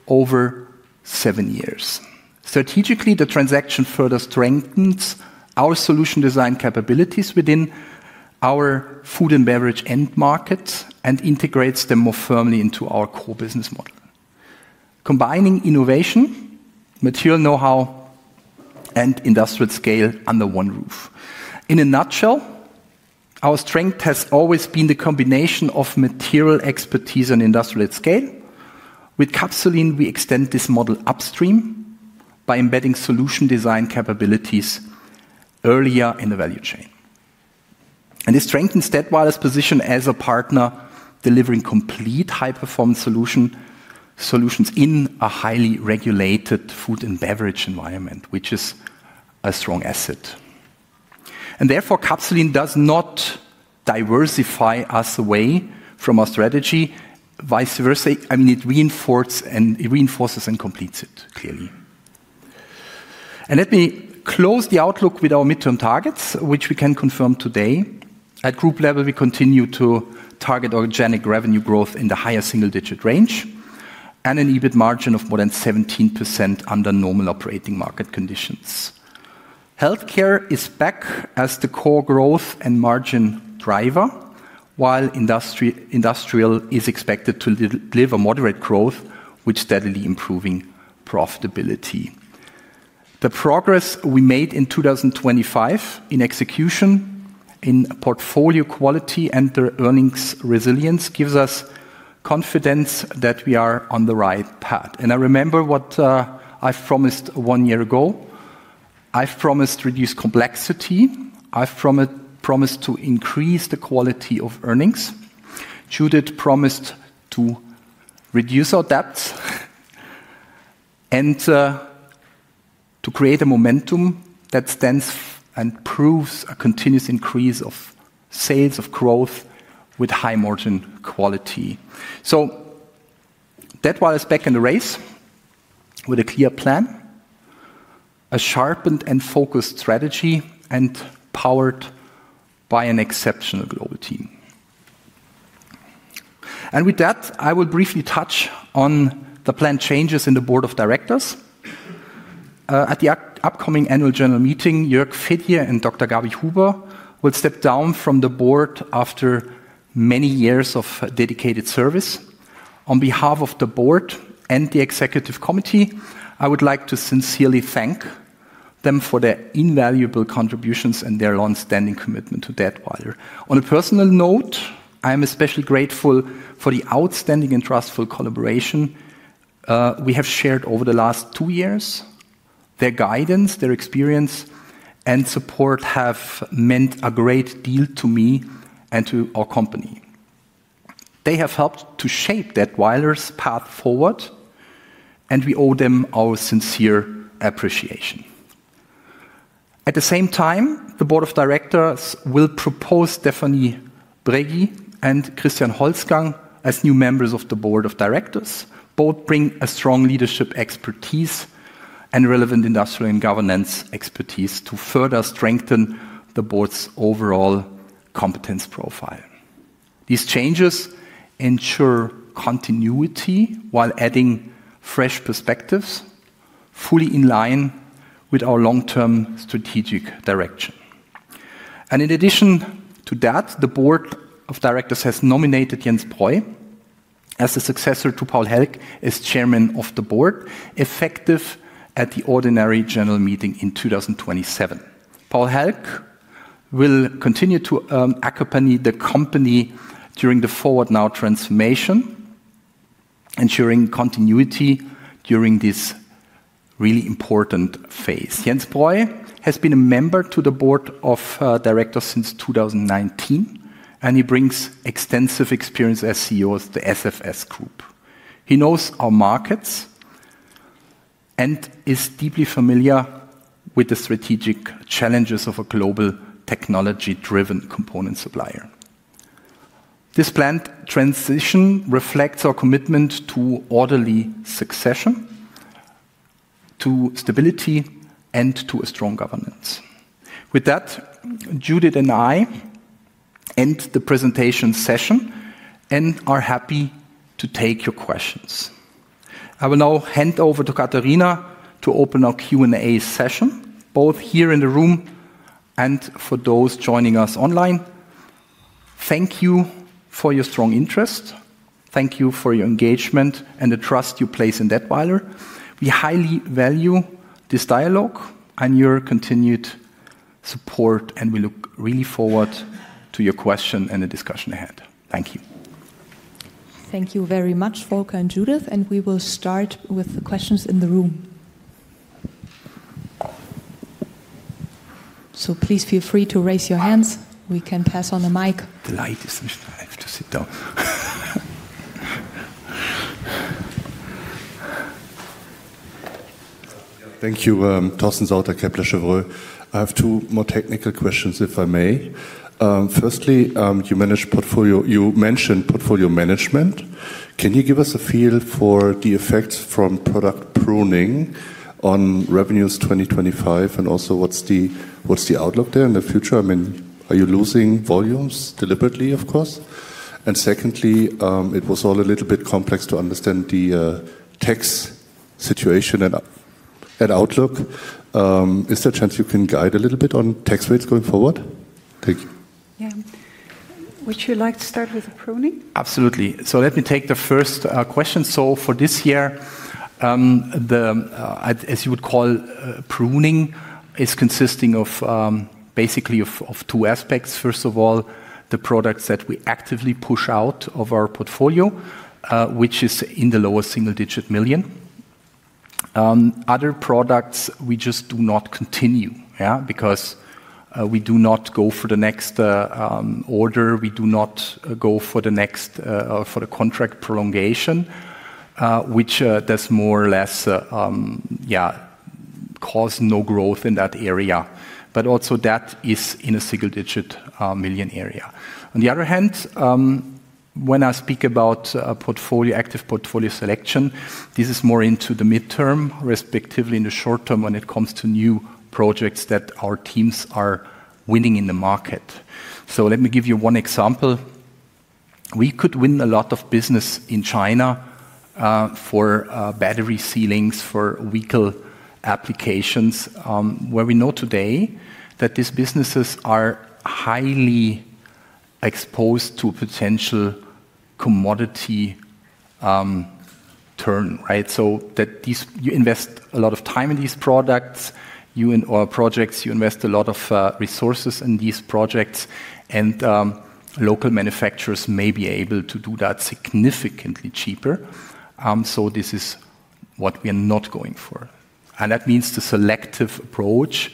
over seven years. Strategically, the transaction further strengthens our solution design capabilities within our food and beverage end markets, and integrates them more firmly into our core business model. Combining innovation, material know-how, and Industrial scale under one roof. In a nutshell, our strength has always been the combination of material expertise and Industrial scale. With Capsul'in, we extend this model upstream by embedding solution design capabilities earlier in the value chain. This strengthens Datwyler's position as a partner, delivering complete high-performance solution, solutions in a highly regulated food and beverage environment, which is a strong asset. Therefore, Capsul'in does not diversify us away from our strategy. Vice versa, I mean, it reinforces and completes it, clearly. Let me close the outlook with our midterm targets, which we can confirm today. At group level, we continue to target organic revenue growth in the higher single-digit range and an EBIT margin of more than 17% under normal operating market conditions. Healthcare is back as the core growth and margin driver, while Industrial is expected to deliver moderate growth with steadily improving profitability. The progress we made in 2025 in execution, in portfolio quality, and the earnings resilience gives us confidence that we are on the right path. And I remember what I promised one year ago. I promised to reduce complexity. I promised to increase the quality of earnings. Judith promised to reduce our debt and to create a momentum that stands and proves a continuous increase of sales, of growth with high-margin quality. So Datwyler is back in the race with a clear plan, a sharpened and focused strategy, and powered by an exceptional global team. And with that, I will briefly touch on the planned changes in the board of directors. At the upcoming annual general meeting, Jürg Fedier and Dr. Gabi Huber will step down from the board after many years of dedicated service. On behalf of the board and the executive committee, I would like to sincerely thank them for their invaluable contributions and their longstanding commitment to Datwyler. On a personal note, I am especially grateful for the outstanding and trustful collaboration we have shared over the last two years. Their guidance, their experience, and support have meant a great deal to me and to our company. They have helped to shape Datwyler's path forward, and we owe them our sincere appreciation. At the same time, the board of directors will propose Stéphanie Bregy and Christian Holzgang as new members of the board of directors. Both bring a strong leadership expertise and relevant Industrial and governance expertise to further strengthen the board's overall competence profile. These changes ensure continuity while adding fresh perspectives, fully in line with our long-term strategic direction. In addition to that, the board of directors has nominated Jens Breu as the successor to Paul Hälg as chairman of the board, effective at the ordinary general meeting in 2027. Paul Hälg will continue to accompany the company during the Forward Now transformation, ensuring continuity during this really important phase. Jens Breu has been a member of the board of directors since 2019, and he brings extensive experience as CEO of the SFS Group. He knows our markets and is deeply familiar with the strategic challenges of a global technology-driven component supplier. This planned transition reflects our commitment to orderly succession, to stability, and to a strong governance. With that, Judith and I end the presentation session and are happy to take your questions. I will now hand over to Katharina to open our Q&A session, both here in the room and for those joining us online. Thank you for your strong interest. Thank you for your engagement and the trust you place in Datwyler. We highly value this dialogue and your continued support, and we look really forward to your question and the discussion ahead. Thank you. Thank you very much, Volker and Judith, and we will start with the questions in the room. Please feel free to raise your hands. We can pass on the mic. The light is... I have to sit down. Thank you. Torsten Sauter, Kepler Cheuvreux. I have two more technical questions, if I may. Firstly, you manage portfolio- you mentioned portfolio management. Can you give us a feel for the effects from product pruning on revenues 2025, and also what's the, what's the outlook there in the future? I mean, are you losing volumes deliberately, of course? And secondly, it was all a little bit complex to understand the, tax situation and outlook. Is there a chance you can guide a little bit on tax rates going forward? Thank you. Yeah. Would you like to start with the pruning? Absolutely. So let me take the first question. So for this year, as you would call pruning, is consisting of basically of two aspects. First of all, the products that we actively push out of our portfolio, which is in the lower single-digit million CHF. Other products, we just do not continue, yeah, because we do not go for the next order. We do not go for the next contract prolongation, which does more or less, yeah, cause no growth in that area. But also that is in a single-digit million CHF area. On the other hand, when I speak about portfolio, active portfolio selection, this is more into the midterm, respectively, in the short term, when it comes to new projects that our teams are winning in the market. So let me give you one example. We could win a lot of business in China for battery seals, for vehicle applications, where we know today that these businesses are highly exposed to potential commodity downturn, right? So that these. You invest a lot of time in these products, you in- or projects, you invest a lot of resources in these projects, and local manufacturers may be able to do that significantly cheaper. So this is what we are not going for. That means the selective approach,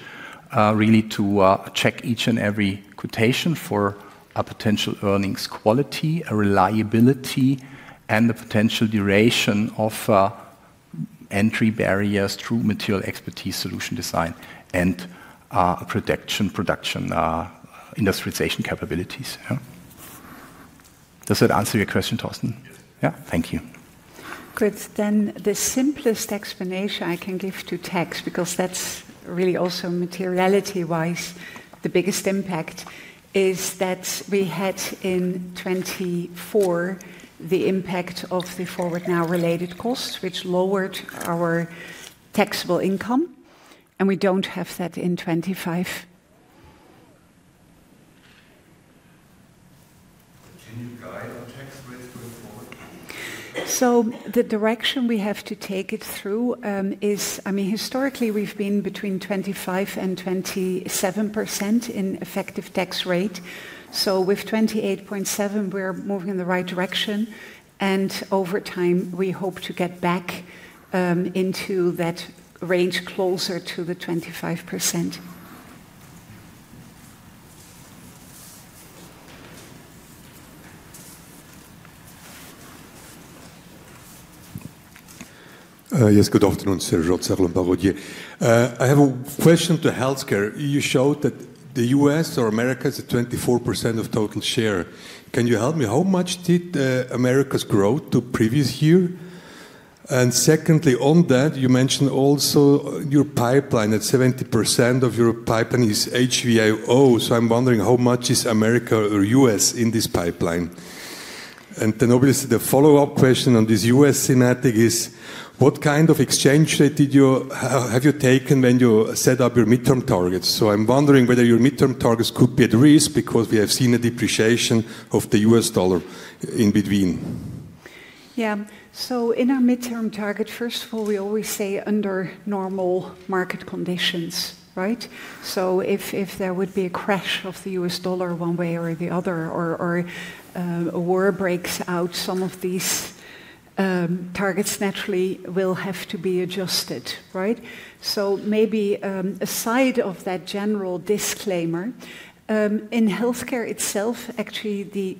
really to check each and every quotation for a potential earnings quality, a reliability, and the potential duration of entry barriers through material expertise, solution design, and production industrialization capabilities. Yeah. Does that answer your question, Torsten? Yes. Yeah. Thank you. Good. Then the simplest explanation I can give to tax, because that's really also materiality-wise, the biggest impact, is that we had in 2024, the impact of the Forward Now related costs, which lowered our taxable income, and we don't have that in 2025. Can you guide on tax rates going forward? The direction we have to take it through is, I mean, historically, we've been between 25% and 27% in effective tax rate. So with 28.7%, we're moving in the right direction, and over time, we hope to get back into that range closer to the 25%. Yes. Good afternoon, Serge Rotzer. I have a question to Healthcare. You showed that the US or America is at 24% of total share. Can you help me? How much did America's growth to previous year? And secondly, on that, you mentioned also your pipeline, that 70% of your pipeline is HVO, so I'm wondering how much is America or US in this pipeline? And then, obviously, the follow-up question on this US thematic is: what kind of exchange rate did you have, have you taken when you set up your midterm targets? So I'm wondering whether your midterm targets could be at risk because we have seen a depreciation of the US dollar in between. Yeah. So in our midterm target, first of all, we always say under normal market conditions, right? So if there would be a crash of the US dollar one way or the other, or a war breaks out, some of these targets naturally will have to be adjusted, right? So maybe aside of that general disclaimer, in healthcare itself, actually, the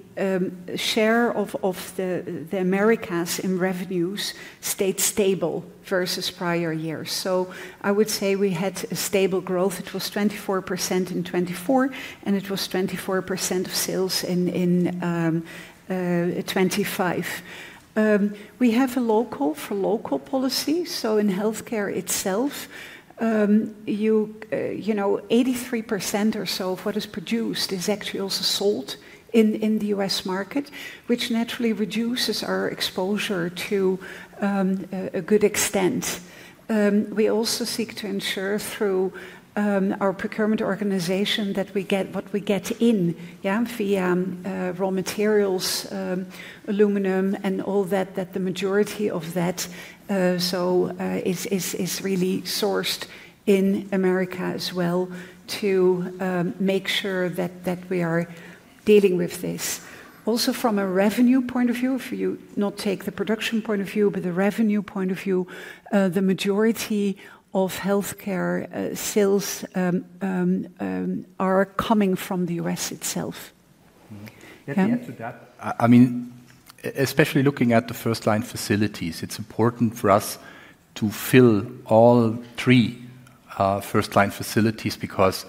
share of the Americas in revenues stayed stable versus prior years. So I would say we had a stable growth. It was 24% in 2024, and it was 24% of sales in 2025. We have a local for local policy, so in Healthcare itself, you know, 83% or so of what is produced is actually also sold in the US market, which naturally reduces our exposure to a good extent. We also seek to ensure through our procurement organization that we get what we get in, yeah, via raw materials, aluminum and all that, that the majority of that, so, is really sourced in America as well, to make sure that we are dealing with this. Also, from a revenue point of view, if you not take the production point of view, but the revenue point of view, the majority of Healthcare sales are coming from the US itself. Yeah. Mhm. To add to that, I mean, especially looking at the FirstLine facilities, it's important for us to fill all three FirstLine facilities because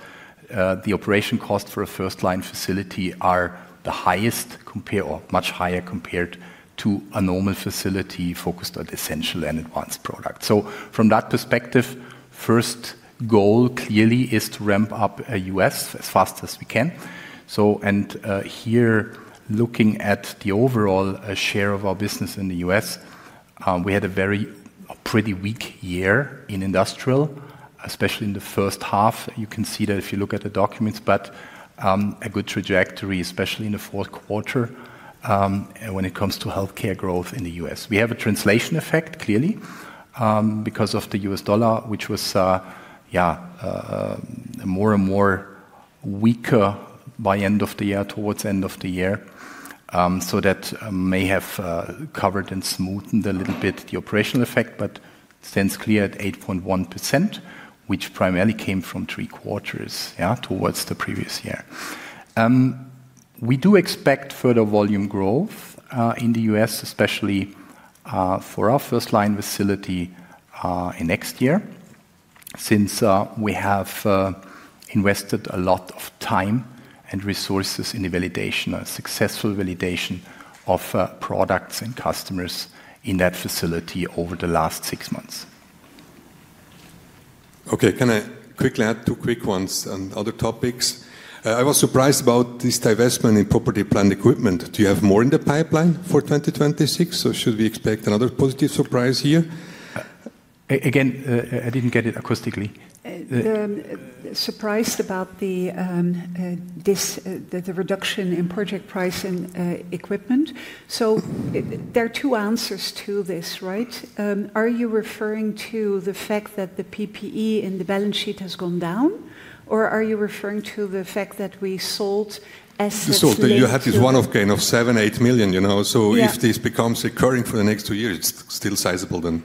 the operation costs for a FirstLine facility are the highest compare or much higher compared to a normal facility focused on essential and advanced products. So from that perspective, first goal clearly is to ramp up US as fast as we can. So, and here, looking at the overall share of our business in the US, we had a very, a pretty weak year in industrial, especially in the first half. You can see that if you look at the documents, but a good trajectory, especially in the fourth quarter, when it comes to Healthcare growth in the US. We have a translation effect, clearly, because of the U.S. dollar, which was more and more weaker by end of the year, towards end of the year. So that may have covered and smoothened a little bit the operational effect, but stands clear at 8.1%, which primarily came from three quarters, towards the previous year. We do expect further volume growth in the US, especially for our FirstLine facility in next year, since we have invested a lot of time and resources in the validation, a successful validation of products and customers in that facility over the last six months. Okay, can I quickly add two quick ones on other topics? I was surprised about this divestment in property, plant, and equipment. Do you have more in the pipeline for 2026, or should we expect another positive surprise here? Again, I didn't get it acoustically. Surprised about the reduction in CapEx and equipment. So there are two answers to this, right? Are you referring to the fact that the PPE in the balance sheet has gone down, or are you referring to the fact that we sold assets- So you had this one-off gain of 7 million-8 million, you know? Yeah. If this becomes recurring for the next two years, it's still sizable then.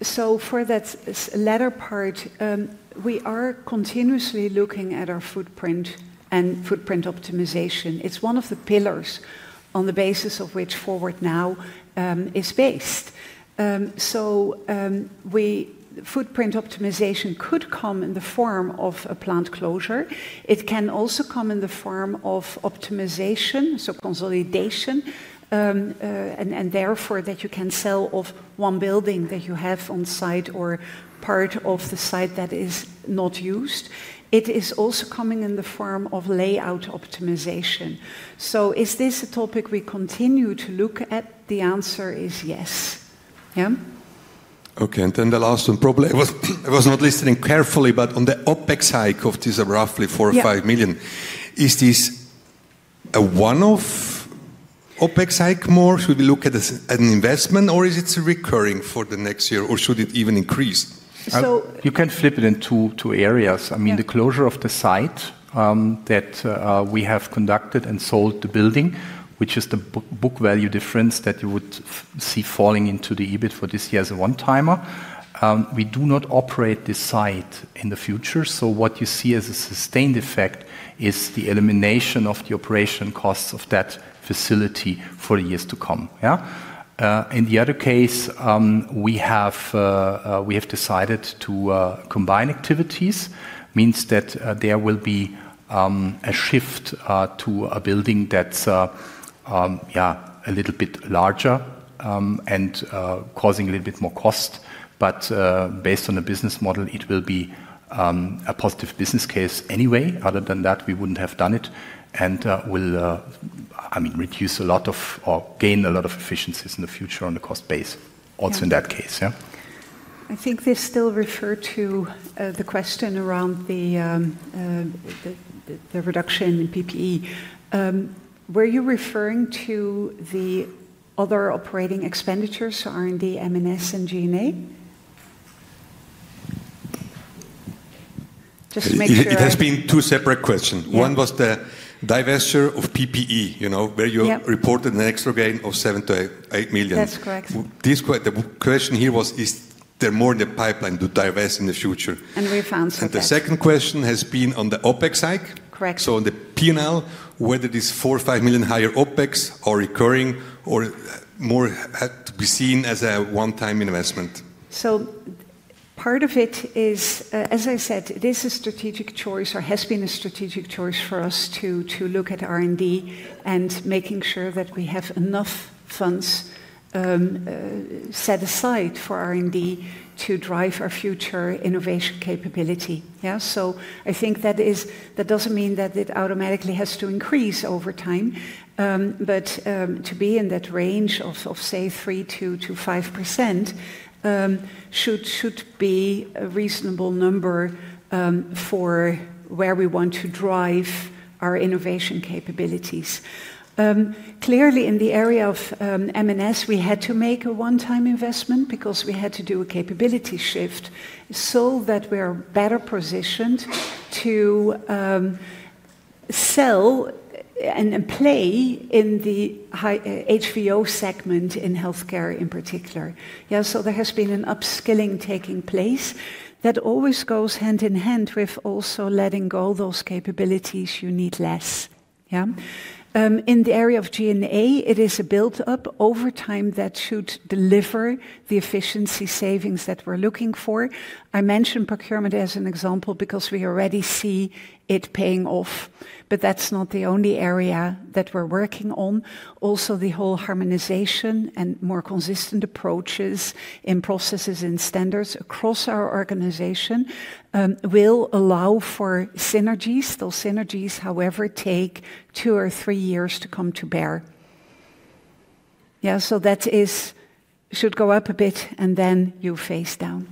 So for that latter part, we are continuously looking at our footprint and footprint optimization. It's one of the pillars on the basis of which Forward Now is based. So, Footprint optimization could come in the form of a plant closure. It can also come in the form of optimization, so consolidation, and therefore, that you can sell off one building that you have on site or part of the site that is not used. It is also coming in the form of layout optimization. So is this a topic we continue to look at? The answer is yes. Yeah. Okay, and then the last one, probably. I was not listening carefully, but on the OpEx hike of this, roughly 4 million or 5 million- Yeah... is this a one-off OpEx hike more? Should we look at this as an investment, or is it recurring for the next year, or should it even increase? So- You can flip it in two, two areas. Yeah. I mean, the closure of the site that we have conducted and sold the building, which is the book value difference that you would see falling into the EBIT for this year as a one-timer. We do not operate this site in the future, so what you see as a sustained effect is the elimination of the operation costs of that facility for the years to come. Yeah? In the other case, we have decided to combine activities. Means that there will be a shift to a building that's a little bit larger and causing a little bit more cost. But based on the business model, it will be a positive business case anyway. Other than that, we wouldn't have done it, and will, I mean, reduce a lot of, or gain a lot of efficiencies in the future on the cost base- Yeah... also in that case, yeah. I think this still refer to the question around the reduction in PPE. Were you referring to the other operating expenditures, R&D, M&S, and G&A? Just to make sure- There have been two separate questions. Yeah. One was the divestiture of PPE, you know- Yeah... where you reported an extra gain of 7-8 million. That's correct. The question here was: Is there more in the pipeline to divest in the future? We've answered that. The second question has been on the OpEx hike. Correct. So on the P&L, whether this 4 million or 5 million higher OpEx are recurring or more to be seen as a one-time investment? So part of it is, as I said, it is a strategic choice, or has been a strategic choice for us to look at R&D and making sure that we have enough funds set aside for R&D to drive our future innovation capability. Yeah, so I think that is... That doesn't mean that it automatically has to increase over time, but to be in that range of, say, 3%-5%, should be a reasonable number for where we want to drive our innovation capabilities. Clearly, in the area of M&S, we had to make a one-time investment because we had to do a capability shift so that we are better positioned to sell and play in the HVO segment in healthcare in particular. Yeah, so there has been an upskilling taking place. That always goes hand in hand with also letting go of those capabilities you need less. Yeah? In the area of G&A, it is a build-up over time that should deliver the efficiency savings that we're looking for. I mentioned procurement as an example because we already see it paying off, but that's not the only area that we're working on. Also, the whole harmonization and more consistent approaches in processes and standards across our organization will allow for synergies. Those synergies, however, take two or three years to come to bear. Yeah, so that should go up a bit, and then you phase down.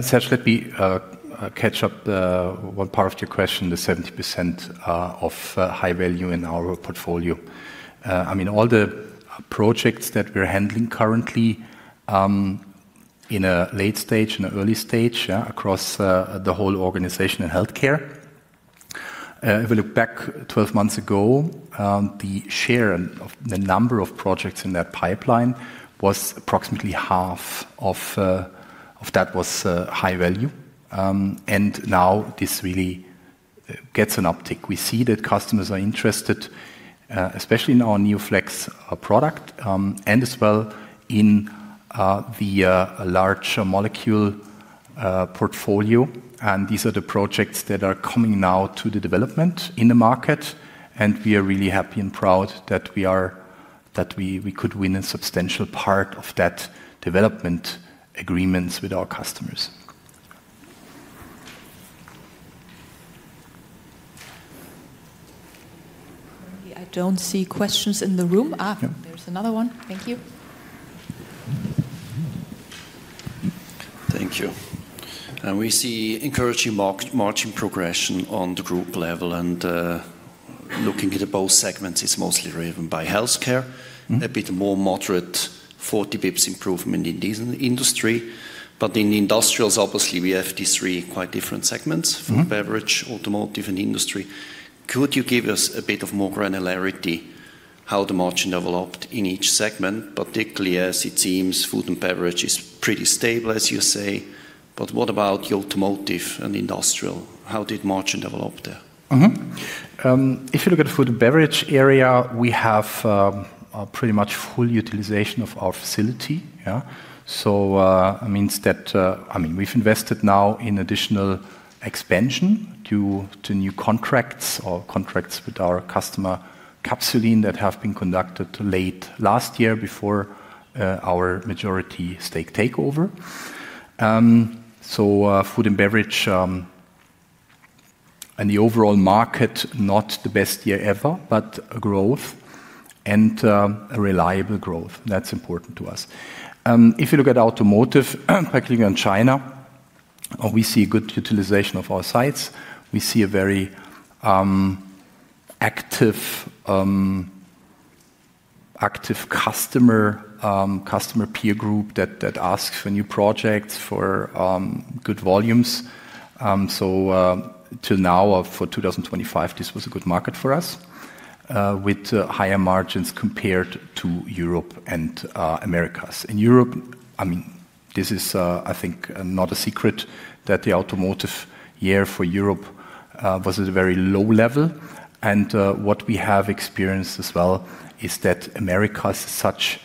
Serge, let me catch up one part of your question, the 70% of high value in our portfolio. I mean, all the projects that we're handling currently in a late stage and an early stage, yeah, across the whole organization in Healthcare, if we look back 12 months ago, the share and of the number of projects in that pipeline was approximately half of that was high value. And now this really gets an uptick. We see that customers are interested especially in our NeoFlex product, and as well in the large molecule portfolio. These are the projects that are coming now to the development in the market, and we are really happy and proud that we could win a substantial part of that development agreements with our customers. I don't see questions in the room. Yeah. There's another one. Thank you. Thank you. We see encouraging margin progression on the group level, and looking at both segments, it's mostly driven by Healthcare. Mm-hmm. A bit more moderate, 40 basis points improvement in this industry. But in Industrials, obviously, we have these three quite different segments- Mm-hmm... food and beverage, Automotive, and industry. Could you give us a bit of more granularity how the margin developed in each segment? Particularly as it seems, food and beverage is pretty stable, as you say, but what about the Automotive and Industrial? How did margin develop there? Mm-hmm. If you look at food and beverage area, we have a pretty much full utilization of our facility. Yeah. So, it means that, I mean, we've invested now in additional expansion due to new contracts or contracts with our customer, Capsul'in, that have been conducted late last year before our majority stake takeover. So, food and beverage and the overall market, not the best year ever, but a growth and a reliable growth. That's important to us. If you look at automotive, particularly in China, we see good utilization of our sites. We see a very active customer peer group that asks for new projects, for good volumes. So, till now, for 2025, this was a good market for us, with higher margins compared to Europe and Americas. In Europe, I mean, this is, I think, not a secret that the Automotive year for Europe was at a very low level. What we have experienced as well is that Americas, such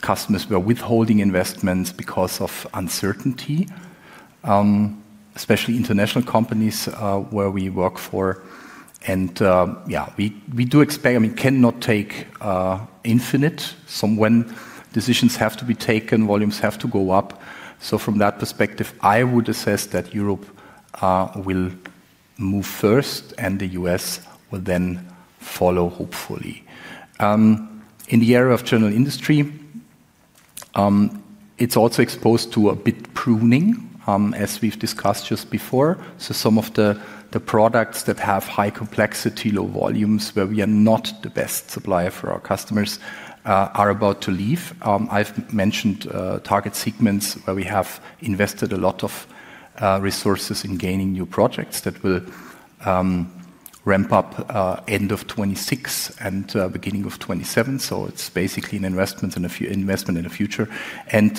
customers were withholding investments because of uncertainty, especially international companies where we work for. Yeah, we do expect - I mean, cannot take infinite. Some when decisions have to be taken, volumes have to go up. So, from that perspective, I would assess that Europe will move first, and the U.S. will then follow, hopefully. In the area of general industry, it's also exposed to a bit pruning, as we've discussed just before. So some of the products that have high complexity, low volumes, where we are not the best supplier for our customers, are about to leave. I've mentioned target segments where we have invested a lot of resources in gaining new projects that will ramp up end of 2026 and beginning of 2027. So, it's basically an investment in the future. And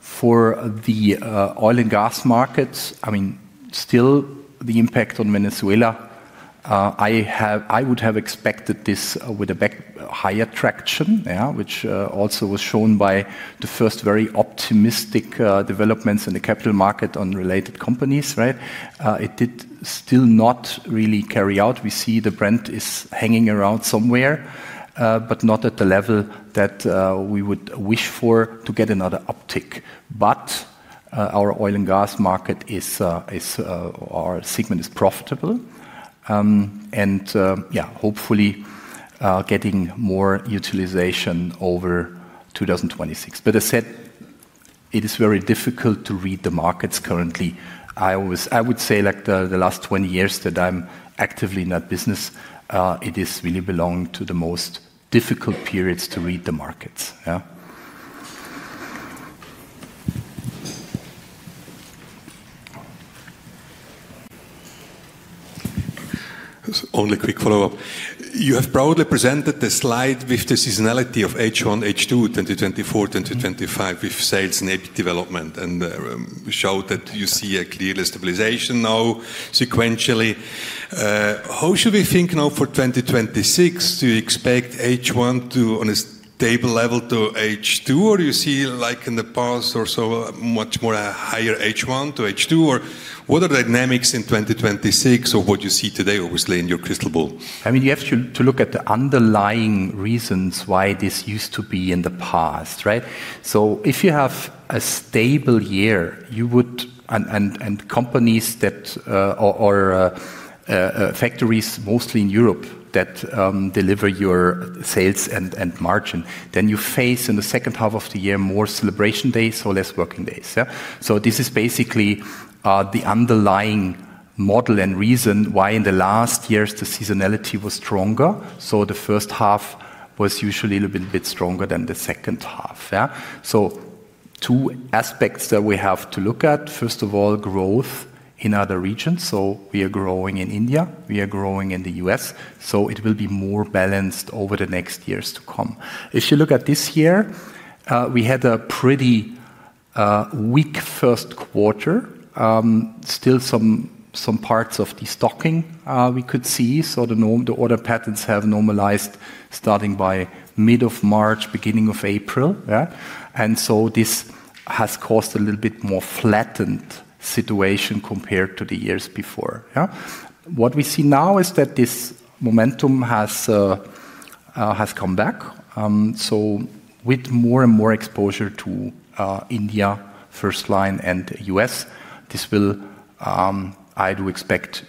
for the oil and gas markets, I mean, still the impact on Venezuela, I would have expected this with a back higher traction, yeah, which also was shown by the first very optimistic developments in the capital market on related companies, right? It did still not really carry out. We see the brand is hanging around somewhere, but not at the level that we would wish for to get another uptick. But our oil and gas market, our segment, is profitable, and yeah, hopefully getting more utilization over 2026. But I said, it is very difficult to read the markets currently. I always, I would say, like, the last 20 years that I'm actively in that business, it is really belong to the most difficult periods to read the markets. Yeah. Only quick follow-up. You have proudly presented the slide with the seasonality of H1, H2, 2024, 2025, with sales and AP development, and showed that you see a clear stabilization now sequentially. How should we think now for 2026? Do you expect H1 to on a stable level to H2, or do you see, like in the past or so, much more a higher H1 to H2? Or what are the dynamics in 2026 of what you see today, obviously, in your crystal ball? I mean, you have to look at the underlying reasons why this used to be in the past, right? So if you have a stable year, you would... and companies that, or factories, mostly in Europe, that deliver your sales and margin, then you face, in the second half of the year, more celebration days, so less working days. Yeah. So this is basically the underlying model and reason why in the last years, the seasonality was stronger. So the first half was usually a little bit stronger than the second half. Yeah. So two aspects that we have to look at: first of all, growth... in other regions, so we are growing in India, we are growing in the U.S., so it will be more balanced over the next years to come. If you look at this year, we had a pretty weak first quarter. Still some parts of the stocking we could see, so the order patterns have normalized starting by mid-March, beginning of April, yeah? And so this has caused a little bit more flattened situation compared to the years before, yeah. What we see now is that this momentum has come back. So with more and more exposure to India, FirstLine and US, this will, I do expect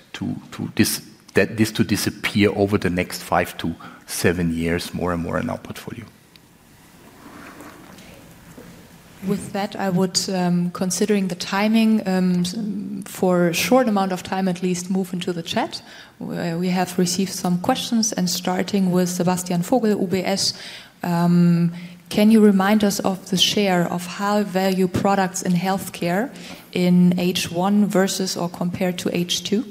that this to disappear over the next 5-7 years, more and more in our portfolio. With that, I would, considering the timing, for a short amount of time at least, move into the chat, where we have received some questions, and starting with Sebastian Vogel, UBS: Can you remind us of the share of high-value products in Healthcare in H1 versus or compared to H2?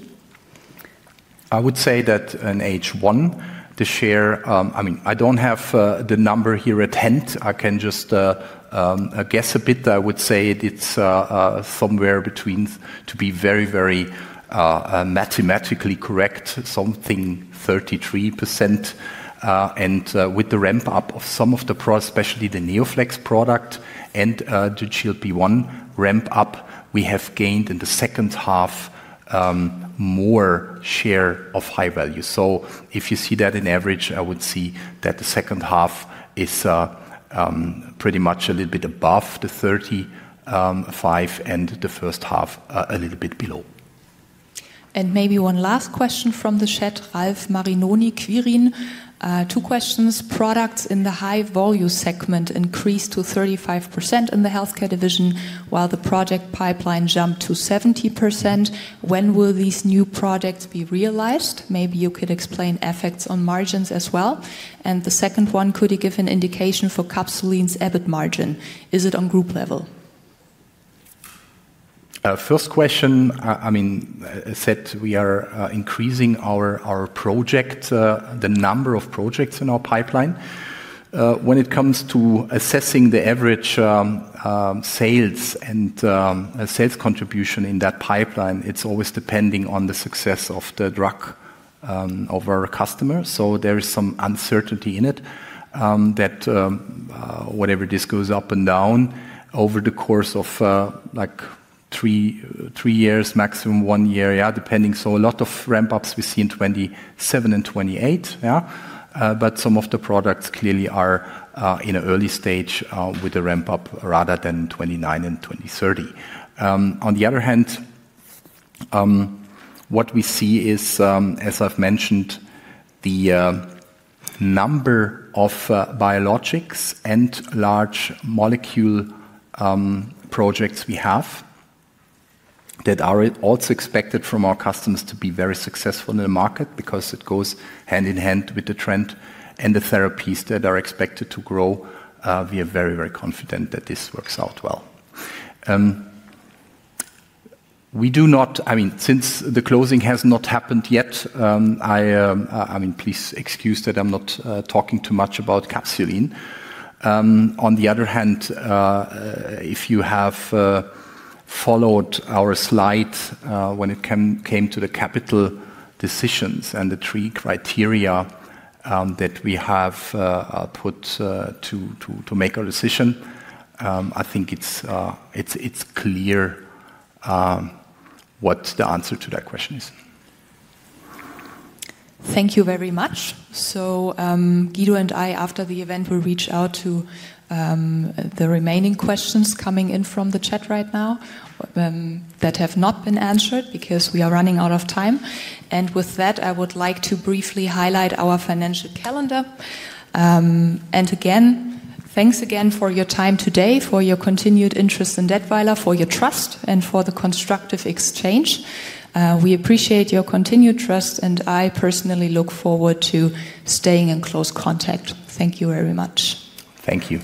I would say that in H1, the share, I mean, I don't have the number here at hand. I can just guess a bit. I would say it's somewhere between, to be very, very mathematically correct, something 33%. And with the ramp up of some of the especially the NeoFlex product and the GLP-1 ramp up, we have gained in the second half more share of high value. So if you see that in average, I would see that the second half is pretty much a little bit above the 35, and the first half a little bit below. Maybe one last question from the chat, Ralf Marinoni, Quirin. Two questions: Products in the high volume segment increased to 35% in the Healthcare division, while the project pipeline jumped to 70%. When will these new products be realized? Maybe you could explain effects on margins as well. And the second one, could you give an indication for Capsul'in's EBIT margin? Is it on group level? First question, I mean, I said we are increasing our project, the number of projects in our pipeline. When it comes to assessing the average, sales and sales contribution in that pipeline, it's always depending on the success of the drug, of our customer. So there is some uncertainty in it, that whatever, this goes up and down over the course of, like 3, 3 years, maximum 1 year, yeah, depending. So a lot of ramp ups we see in 2027 and 2028, yeah. But some of the products clearly are in an early stage, with the ramp up rather than 2029 and 2030. On the other hand, what we see is, as I've mentioned, the number of biologics and large molecule projects we have that are also expected from our customers to be very successful in the market because it goes hand in hand with the trend and the therapies that are expected to grow. We are very, very confident that this works out well. We do not, I mean, since the closing has not happened yet, I mean, please excuse that I'm not talking too much about Capsul'in. On the other hand, if you have followed our slide, when it came to the capital decisions and the three criteria that we have put to make a decision, I think it's clear what the answer to that question is. Thank you very much. So, Guido and I, after the event, will reach out to the remaining questions coming in from the chat right now, that have not been answered, because we are running out of time. And with that, I would like to briefly highlight our financial calendar. And again, thanks again for your time today, for your continued interest in Datwyler, for your trust, and for the constructive exchange. We appreciate your continued trust, and I personally look forward to staying in close contact. Thank you very much. Thank you.